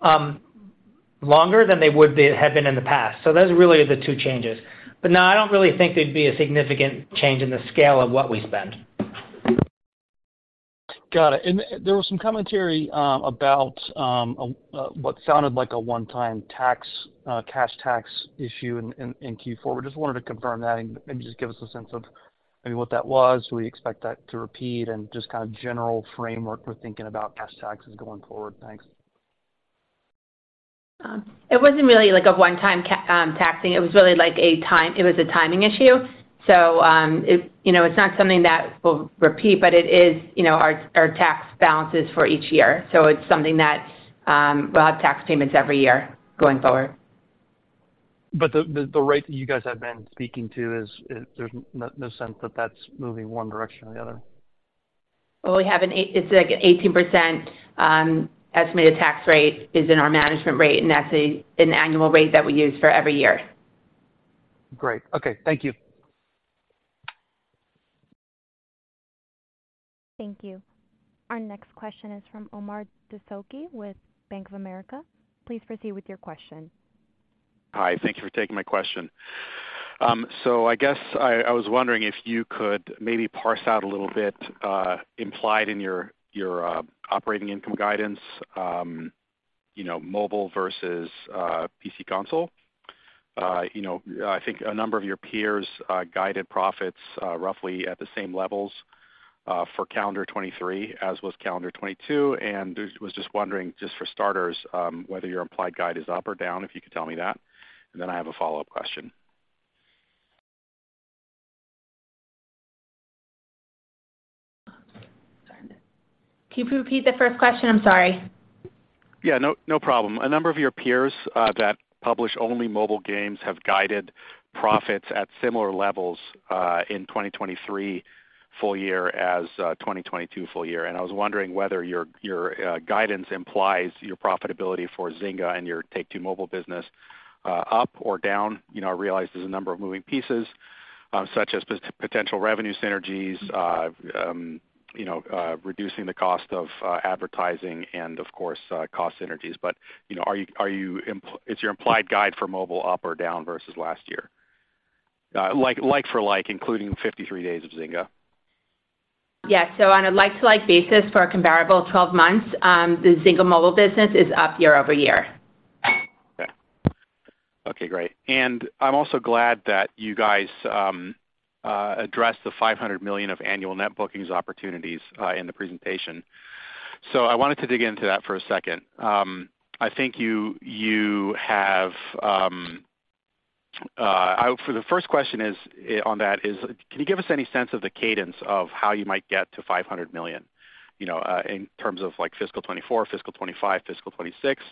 longer than they would be had been in the past. Those are really the two changes. No, I don't really think there'd be a significant change in the scale of what we spend.
Got it. There was some commentary about what sounded like a one-time tax cash tax issue in Q4. I just wanted to confirm that and maybe just give us a sense of maybe what that was. Do we expect that to repeat? Just kind of general framework we're thinking about cash taxes going forward. Thanks.
It wasn't really like a one-time taxing. It was really like a timing issue. It, you know, it's not something that will repeat, but it is, you know, our tax balances for each year. It's something that, we'll have tax payments every year going forward.
The rate that you guys have been speaking to is there's no sense that that's moving one direction or the other.
Well, we have an it's like an 18% estimated tax rate is in our management rate, and that's an annual rate that we use for every year.
Great. Okay. Thank you.
Thank you. Our next question is from Omar Dessouky with Bank of America. Please proceed with your question.
Hi, thank you for taking my question. I guess I was wondering if you could maybe parse out a little bit implied in your operating income guidance, you know, mobile versus PC console. You know, I think a number of your peers guided profits roughly at the same levels for calendar 2023, as was calendar 2022. Was just wondering, just for starters, whether your implied guide is up or down, if you could tell me that. Then I have a follow-up question.
Can you repeat the first question? I'm sorry.
Yeah, no problem. A number of your peers that publish only mobile games have guided profits at similar levels in 2023 full year as 2022 full year. I was wondering whether your guidance implies your profitability for Zynga and your Take-Two Mobile business up or down. You know, I realize there's a number of moving pieces, such as potential revenue synergies, you know, reducing the cost of advertising and of course, cost synergies. You know, are you is your implied guide for mobile up or down versus last year? Like for like, including 53 days of Zynga.
Yes. On a like-to-like basis for a comparable 12 months, the Zynga Mobile business is up year-over-year.
Okay. Okay, great. I'm also glad that you guys addressed the $500 million of annual Net Bookings opportunities in the presentation. I wanted to dig into that for a second. I think you have, so the first question is, on that is can you give us any sense of the cadence of how you might get to $500 million, you know, in terms of like fiscal 2024, fiscal 2025, fiscal 2026?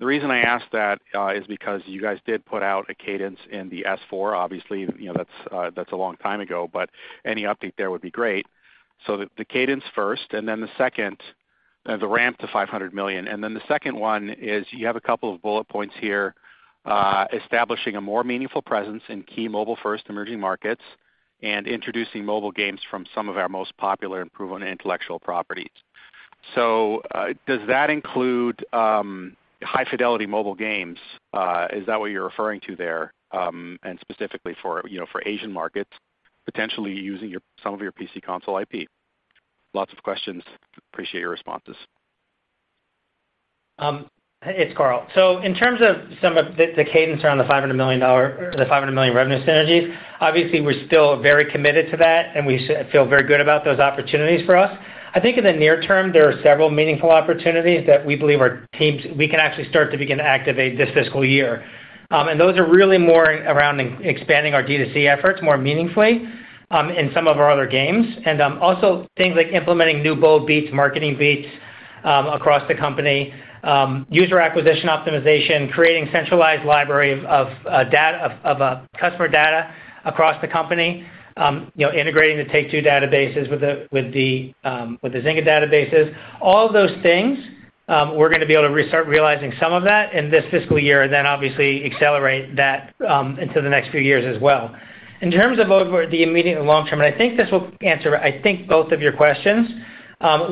The reason I ask that is because you guys did put out a cadence in the S-4, obviously, you know, that's a long time ago, but any update there would be great. The cadence first, and then the second, the ramp to $500 million. The second one is you have a couple of bullet points here, establishing a more meaningful presence in key mobile first emerging markets and introducing mobile games from some of our most popular and proven intellectual properties. Does that include high fidelity mobile games? Is that what you're referring to there, and specifically for, you know, for Asian markets, potentially using your, some of your PC console IP? Lots of questions. Appreciate your responses.
It's Karl. In terms of some of the cadence around the $500 million or the $500 million revenue synergies, obviously we're still very committed to that, and we feel very good about those opportunities for us. I think in the near term, there are several meaningful opportunities that we believe our teams we can actually start to begin to activate this fiscal year. Those are really more around expanding our D2C efforts more meaningfully, in some of our other games. Also things like implementing new bold beats, marketing beats, across the company. User acquisition optimization, creating centralized library of data of customer data across the company. You know, integrating the Take-Two databases with the, with the, with the Zynga databases. All of those things, we're going to be able to start realizing some of that in this fiscal year, then obviously accelerate that into the next few years as well. In terms of over the immediate and long term, I think this will answer, I think both of your questions.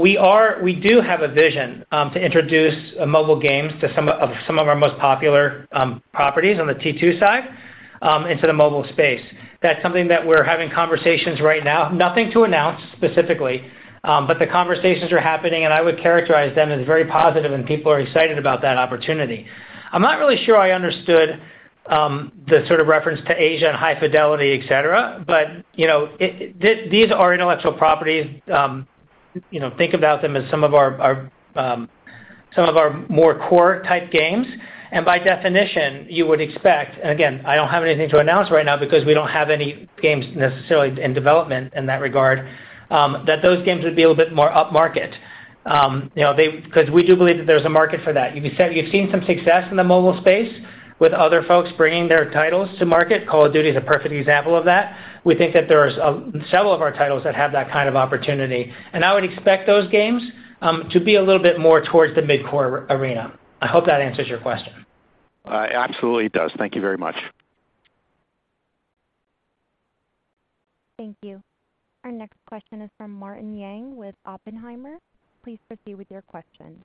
We do have a vision to introduce mobile games to some of our most popular properties on the T2 side into the mobile space. That's something that we're having conversations right now. Nothing to announce specifically, but the conversations are happening and I would characterize them as very positive and people are excited about that opportunity. I'm not really sure I understood, the sort of reference to Asia and high fidelity, et cetera, but, you know, these are intellectual properties, you know, think about them as some of our, some of our more core type games. By definition, you would expect, and again, I don't have anything to announce right now because we don't have any games necessarily in development in that regard, that those games would be a little bit more upmarket. You know, because we do believe that there's a market for that. You've seen some success in the mobile space with other folks bringing their titles to market. Call of Duty is a perfect example of that. We think that there's several of our titles that have that kind of opportunity, and I would expect those games to be a little bit more towards the mid-core arena. I hope that answers your question.
Absolutely it does. Thank you very much.
Thank you. Our next question is from Martin Yang with Oppenheimer. Please proceed with your question.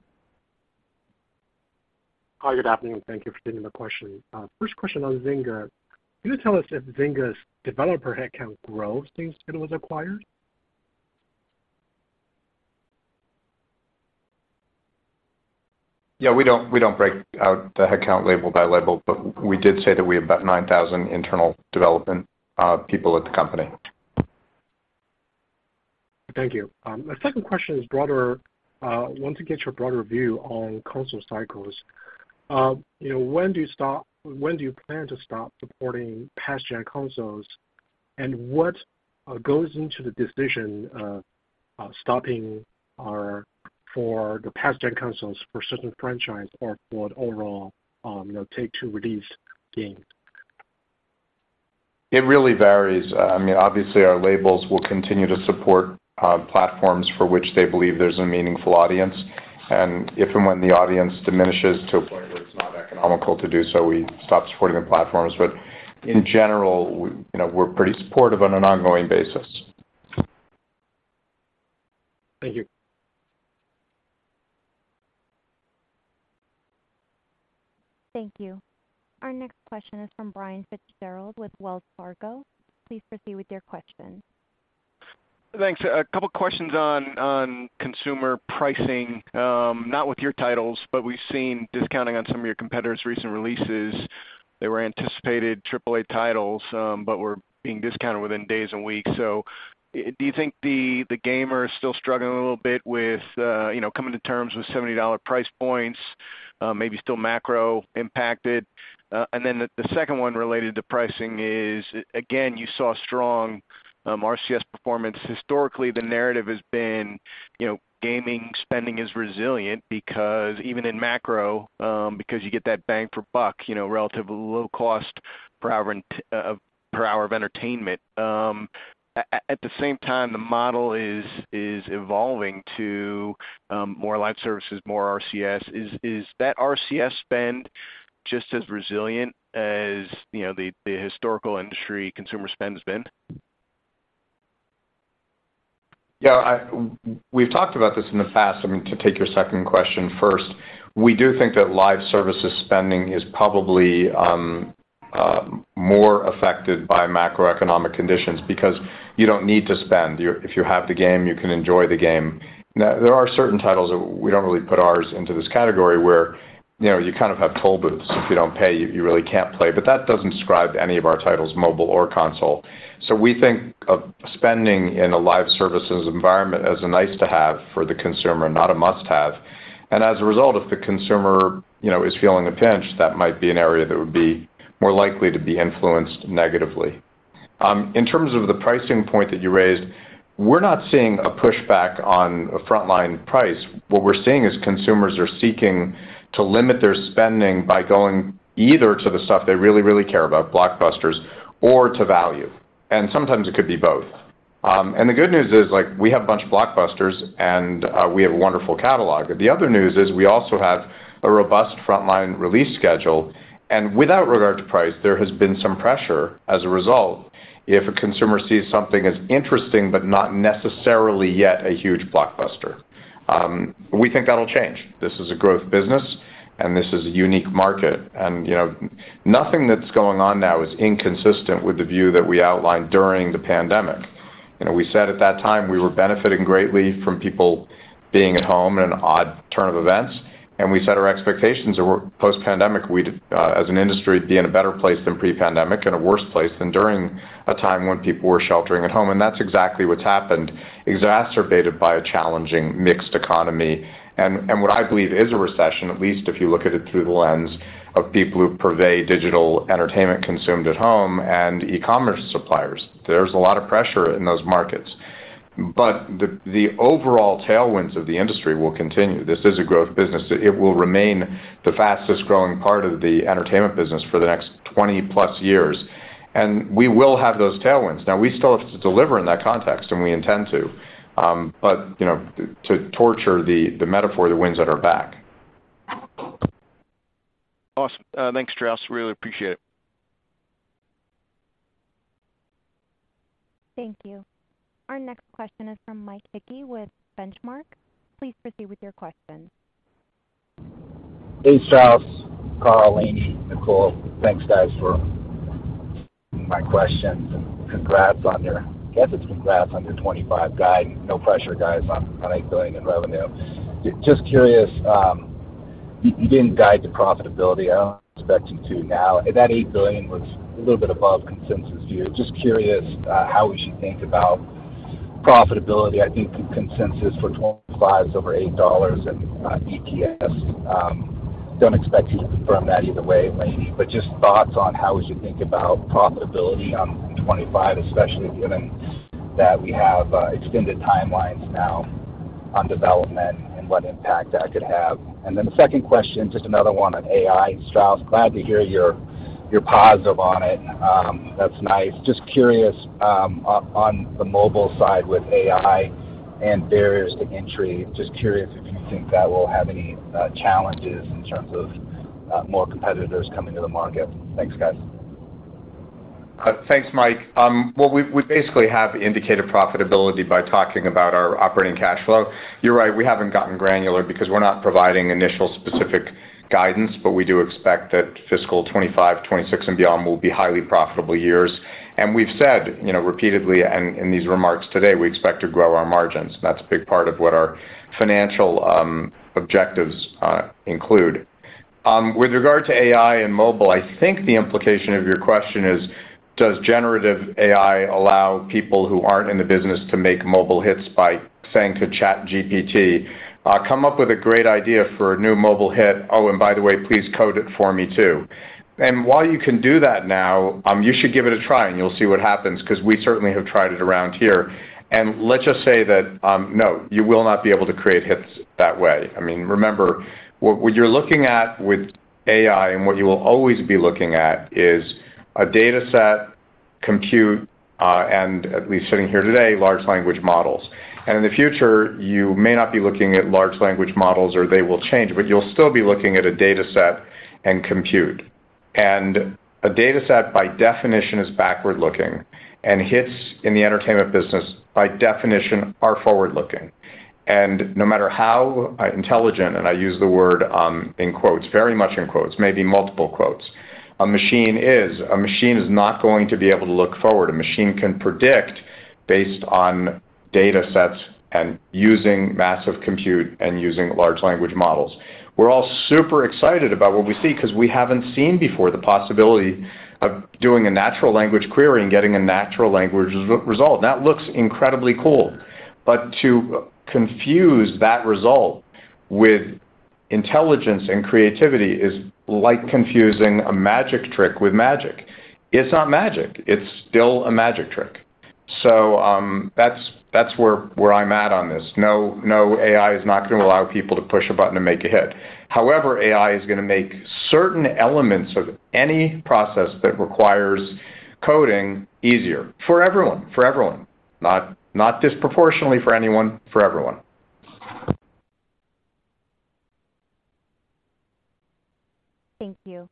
Hi, good afternoon. Thank you for taking the question. First question on Zynga. Can you tell us if Zynga's developer headcount grows since it was acquired?
Yeah, we don't break out the headcount label by label, but we did say that we have about 9,000 internal development people at the company.
Thank you. My second question is broader. Want to get your broader view on console cycles. You know, when do you plan to stop supporting past gen consoles? What goes into the decision stopping or for the past gen consoles for certain franchise or for overall, you know, Take-Two release game?
It really varies. I mean, obviously our labels will continue to support platforms for which they believe there's a meaningful audience. If and when the audience diminishes to a point where it's not economical to do so, we stop supporting the platforms. In general, we, you know, we're pretty supportive on an ongoing basis.
Thank you.
Thank you. Our next question is from Brian Fitzgerald with Wells Fargo. Please proceed with your question.
Thanks. Two questions on consumer pricing, not with your titles, but we've seen discounting on some of your competitors' recent releases. They were anticipated AAA titles, but were being discounted within days and weeks. Do you think the gamers still struggling a little bit with, you know, coming to terms with $70 price points, maybe still macro impacted? The second one related to pricing is, again, you saw strong RCS performance. Historically, the narrative has been, you know, gaming spending is resilient because even in macro, because you get that bang for buck, you know, relatively low cost per hour of entertainment. At the same time, the model is evolving to more live services, more RCS. Is that RCS spend just as resilient as, you know, the historical industry consumer spend has been?
We've talked about this in the past. I mean, to take your second question first. We do think that live services spending is probably more affected by macroeconomic conditions because you don't need to spend. If you have the game, you can enjoy the game. Now, there are certain titles, we don't really put ours into this category, where, you know, you kind of have toll booths. If you don't pay, you really can't play. That doesn't describe any of our titles, mobile or console. We think of spending in a live services environment as a nice to have for the consumer, not a must-have. As a result, if the consumer, you know, is feeling the pinch, that might be an area that would be more likely to be influenced negatively. In terms of the pricing point that you raised, we're not seeing a pushback on a frontline price. What we're seeing is consumers are seeking to limit their spending by going either to the stuff they really, really care about, blockbusters or to value. Sometimes it could be both. The good news is, like, we have a bunch of blockbusters and we have a wonderful catalog. The other news is we also have a robust frontline release schedule. Without regard to price, there has been some pressure as a result if a consumer sees something as interesting, but not necessarily yet a huge blockbuster. We think that'll change. This is a growth business, and this is a unique market. You know, nothing that's going on now is inconsistent with the view that we outlined during the pandemic. You know, we said at that time we were benefiting greatly from people being at home in an odd turn of events. We set our expectations that were post-pandemic. We'd as an industry, be in a better place than pre-pandemic, in a worse place than during a time when people were sheltering at home. That's exactly what's happened, exacerbated by a challenging mixed economy and what I believe is a recession, at least if you look at it through the lens of people who purvey digital entertainment consumed at home and e-commerce suppliers. There's a lot of pressure in those markets. The overall tailwinds of the industry will continue. This is a growth business. It will remain the fastest growing part of the entertainment business for the next 20 plus years, and we will have those tailwinds. Now, we still have to deliver in that context, and we intend to, you know, to torture the metaphor, the winds at our back.
Awesome. Thanks, Strauss. Really appreciate it.
Thank you. Our next question is from Mike Hickey with Benchmark. Please proceed with your question.
Hey, Strauss, Karl, Lainie, Nicole. Thanks, guys, for my questions and congrats on your I guess it's congrats on your 2025 guide. No pressure, guys, on $8 billion in revenue. Just curious, you didn't guide to profitability. I don't expect you to now. That $8 billion was a little bit above consensus view. Just curious, how we should think about profitability. I think consensus for 2025 is over $8 in EPS. Don't expect you to confirm that either way, Lainie, but just thoughts on how we should think about profitability on 2025, especially given that we have extended timelines now on development and what impact that could have. The second question, just another one on AI. Strauss, glad to hear you're positive on it. That's nice. Just curious on the mobile side with AI and barriers to entry. Just curious if you think that will have any challenges in terms of more competitors coming to the market? Thanks, guys.
Thanks, Mike. Well, we basically have indicated profitability by talking about our operating cash flow. You're right, we haven't gotten granular because we're not providing initial specific guidance, but we do expect that fiscal 25, 26 and beyond will be highly profitable years. We've said, you know, repeatedly and in these remarks today, we expect to grow our margins. That's a big part of what our financial objectives include. With regard to AI and mobile, I think the implication of your question is, does generative AI allow people who aren't in the business to make mobile hits by saying to ChatGPT, "Come up with a great idea for a new mobile hit. Oh, and by the way, please code it for me too." While you can do that now, you should give it a try, and you'll see what happens, ’cause we certainly have tried it around here. Let's just say that, no, you will not be able to create hits that way. I mean, remember, what you're looking at with AI and what you will always be looking at is a data set compute, and at least sitting here today, large language models. In the future, you may not be looking at large language models or they will change, but you'll still be looking at a data set and compute. A data set by definition is backward-looking, and hits in the entertainment business by definition are forward-looking. No matter how intelligent, and I use the word, in quotes, very much in quotes, maybe multiple quotes, a machine is not going to be able to look forward. A machine can predict based on data sets and using massive compute and using large language models. We're all super excited about what we see 'cause we haven't seen before the possibility of doing a natural language query and getting a natural language re-result. That looks incredibly cool. To confuse that result with intelligence and creativity is like confusing a magic trick with magic. It's not magic. It's still a magic trick. That's where I'm at on this. No, AI is not going to allow people to push a button to make a hit. AI is going to make certain elements of any process that requires coding easier for everyone, for everyone. Not, not disproportionately for anyone, for everyone.
Thank you.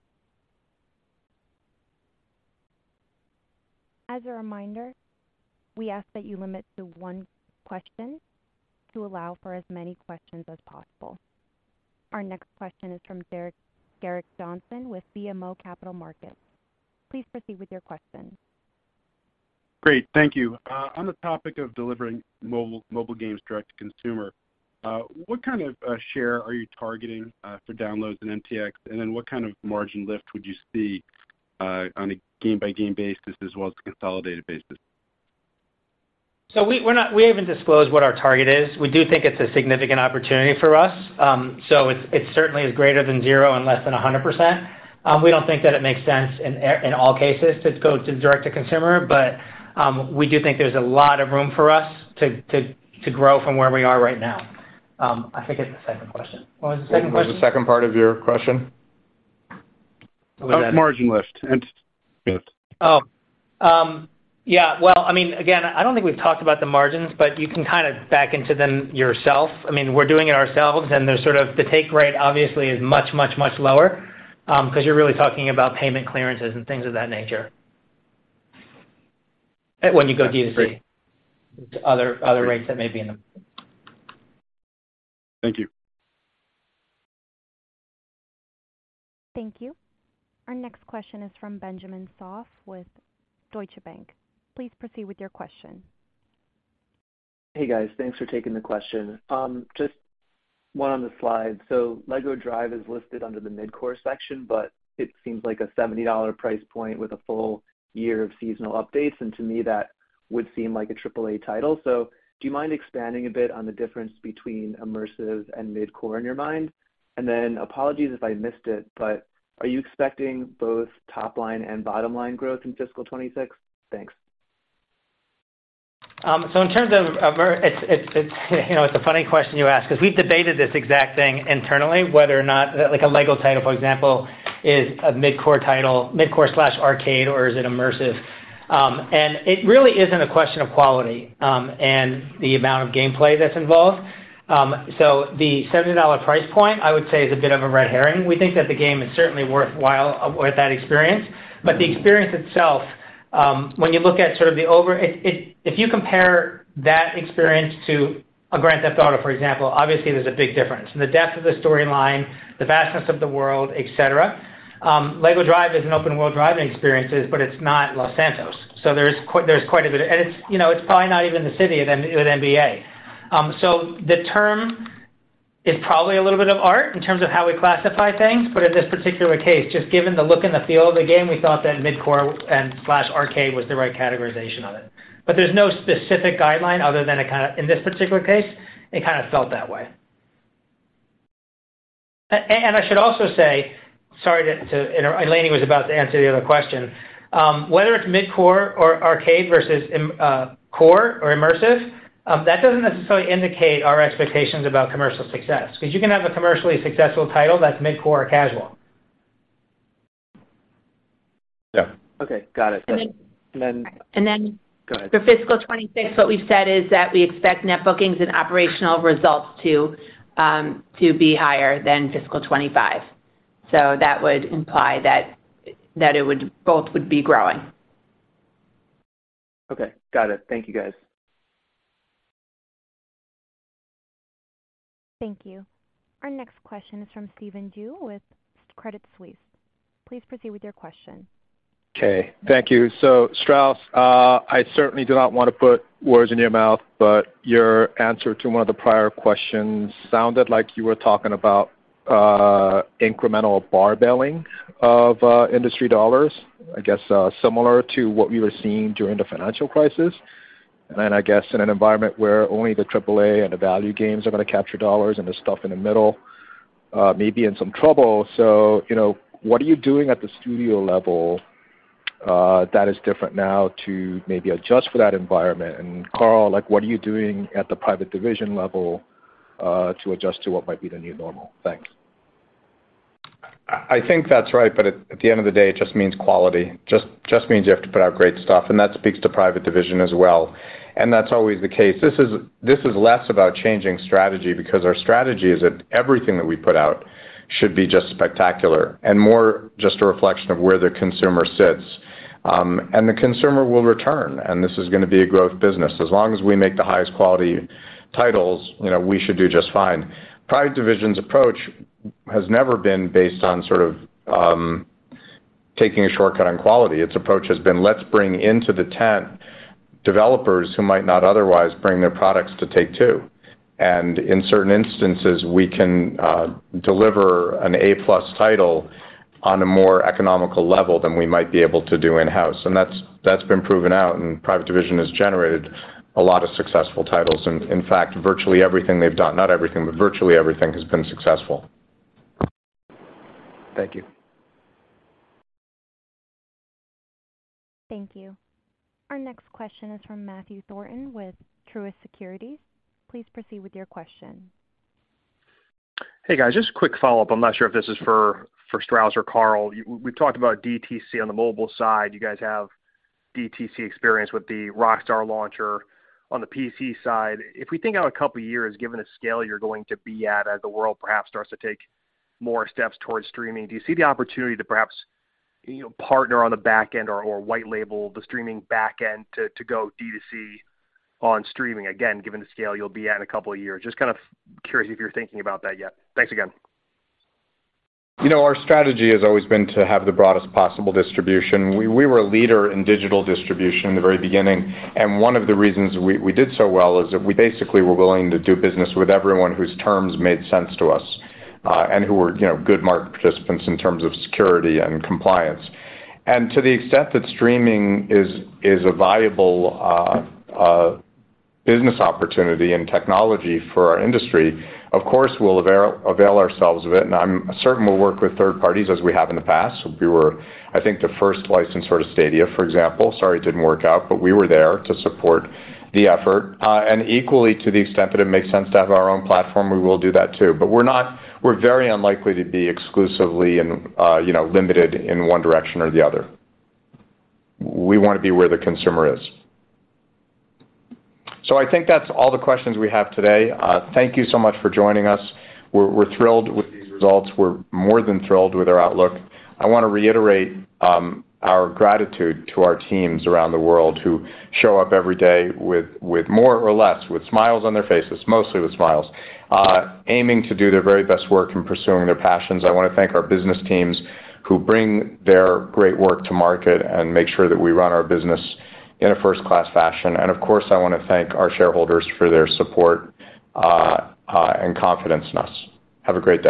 As a reminder, we ask that you limit to one question to allow for as many questions as possible. Our next question is from Gerrick Johnson with BMO Capital Markets. Please proceed with your question.
Great. Thank you. on the topic of delivering mobile games direct to consumer, what kind of share are you targeting for downloads in MTX? What kind of margin lift would you see on a game-by-game basis as well as consolidated basis?
We haven't disclosed what our target is. We do think it's a significant opportunity for us. It's, it certainly is greater than 0 and less than 100%. We don't think that it makes sense in all cases to go to direct to consumer, we do think there's a lot of room for us to grow from where we are right now. I think it's the second question. What was the second question?
What was the second part of your question?
Margin lift and.
Yeah. Well, I mean, again, I don't think we've talked about the margins, but you can kind of back into them yourself. I mean, we're doing it ourselves, and there's sort of the take rate obviously is much, much, much lower, 'cause you're really talking about payment clearances and things of that nature. When you go D2C. Other, other rates that may be in them.
Thank you.
Thank you. Our next question is from Benjamin Soff with Deutsche Bank. Please proceed with your question.
Hey, guys. Thanks for taking the question. Just one on the slides. LEGO 2K Drive is listed under the mid-core section, but it seems like a $70 price point with a full year of seasonal updates, and to me that would seem like a AAA title. Do you mind expanding a bit on the difference between immersive and mid-core in your mind? Apologies if I missed it, but are you expecting both top line and bottom line growth in fiscal 2026? Thanks.
In terms of, you know, it's a funny question you ask, 'cause we've debated this exact thing internally, whether or not like a LEGO title, for example, is a mid-core title, mid-core slash arcade or is it immersive. And it really isn't a question of quality and the amount of gameplay that's involved. The $70 price point, I would say is a bit of a red herring. We think that the game is certainly worthwhile with that experience. The experience itself, when you look at sort of you compare that experience to a Grand Theft Auto, for example, obviously there's a big difference. The depth of the storyline, the vastness of the world, et cetera. LEGO Drive is an open-world driving experiences, but it's not Los Santos. There's quite a bit of. It's, you know, it's probably not even The City of NBA. The term is probably a little bit of art in terms of how we classify things. In this particular case, just given the look and the feel of the game, we thought that mid-core and slash arcade was the right categorization of it. There's no specific guideline other than a kinda. In this particular case, it kinda felt that way. I should also say, sorry to inter. Lainie was about to answer the other question. Whether it's mid-core or arcade versus core or immersive, that doesn't necessarily indicate our expectations about commercial success. 'Cause you can have a commercially successful title that's mid-core or casual.
Yeah.
Okay. Got it.
And then.
And then.
Go ahead.
For fiscal 26, what we've said is that we expect Net Bookings and operational results to be higher than fiscal 25. That would imply that both would be growing.
Okay. Got it. Thank you, guys.
Thank you. Our next question is from Stephen Ju with Credit Suisse. Please proceed with your question.
Okay. Thank you. Strauss, I certainly do not want to put words in your mouth, but your answer to one of the prior questions sounded like you were talking about incremental bar bailing of industry dollars, I guess, similar to what we were seeing during the financial crisis. I guess in an environment where only the AAA and the value games are going to capture dollars and the stuff in the middle, may be in some trouble. You know, what are you doing at the studio level that is different now to maybe adjust for that environment? Karl, like, what are you doing at the Private Division level to adjust to what might be the new normal? Thanks.
I think that's right, at the end of the day, it just means quality. Just means you have to put out great stuff, that speaks to Private Division as well. That's always the case. This is less about changing strategy because our strategy is that everything that we put out should be just spectacular and more just a reflection of where the consumer sits. The consumer will return, this is going to be a growth business. As long as we make the highest quality titles, you know, we should do just fine. Private Division's approach has never been based on sort of taking a shortcut on quality. Its approach has been, "Let's bring into the tent developers who might not otherwise bring their products to Take-Two." In certain instances, we can deliver an A-plus title on a more economical level than we might be able to do in-house. That's been proven out. Private Division has generated a lot of successful titles. In fact, virtually everything they've done. Not everything, but virtually everything has been successful.
Thank you.
Thank you. Our next question is from Matthew Thornton with Truist Securities. Please proceed with your question.
Hey, guys. Just a quick follow-up. I'm not sure if this is for Strauss or Karl. We've talked about DTC on the mobile side. You guys have DTC experience with the Rockstar launcher on the PC side. If we think out a couple years, given the scale you're going to be at as the world perhaps starts to take more steps towards streaming, do you see the opportunity to perhaps, you know, partner on the back end or white label the streaming back end to go D2C on streaming? Again, given the scale you'll be at in a couple of years. Just kind of curious if you're thinking about that yet. Thanks again.
You know, our strategy has always been to have the broadest possible distribution. We were a leader in digital distribution in the very beginning, one of the reasons we did so well is that we basically were willing to do business with everyone whose terms made sense to us, and who were, you know, good market participants in terms of security and compliance. To the extent that streaming is a viable business opportunity and technology for our industry, of course, we'll avail ourselves of it, and I'm certain we'll work with third parties as we have in the past. We were, I think, the first licensed for Stadia, for example. Sorry it didn't work out, we were there to support the effort. Equally to the extent that it makes sense to have our own platform, we will do that too. We're very unlikely to be exclusively and, you know, limited in one direction or the other. We want to be where the consumer is. I think that's all the questions we have today. Thank you so much for joining us. We're thrilled with these results. We're more than thrilled with our outlook. I want to reiterate our gratitude to our teams around the world who show up every day with more or less, with smiles on their faces, mostly with smiles, aiming to do their very best work and pursuing their passions. I want to thank our business teams who bring their great work to market and make sure that we run our business in a first-class fashion. Of course, I want to thank our shareholders for their support and confidence in us. Have a great day.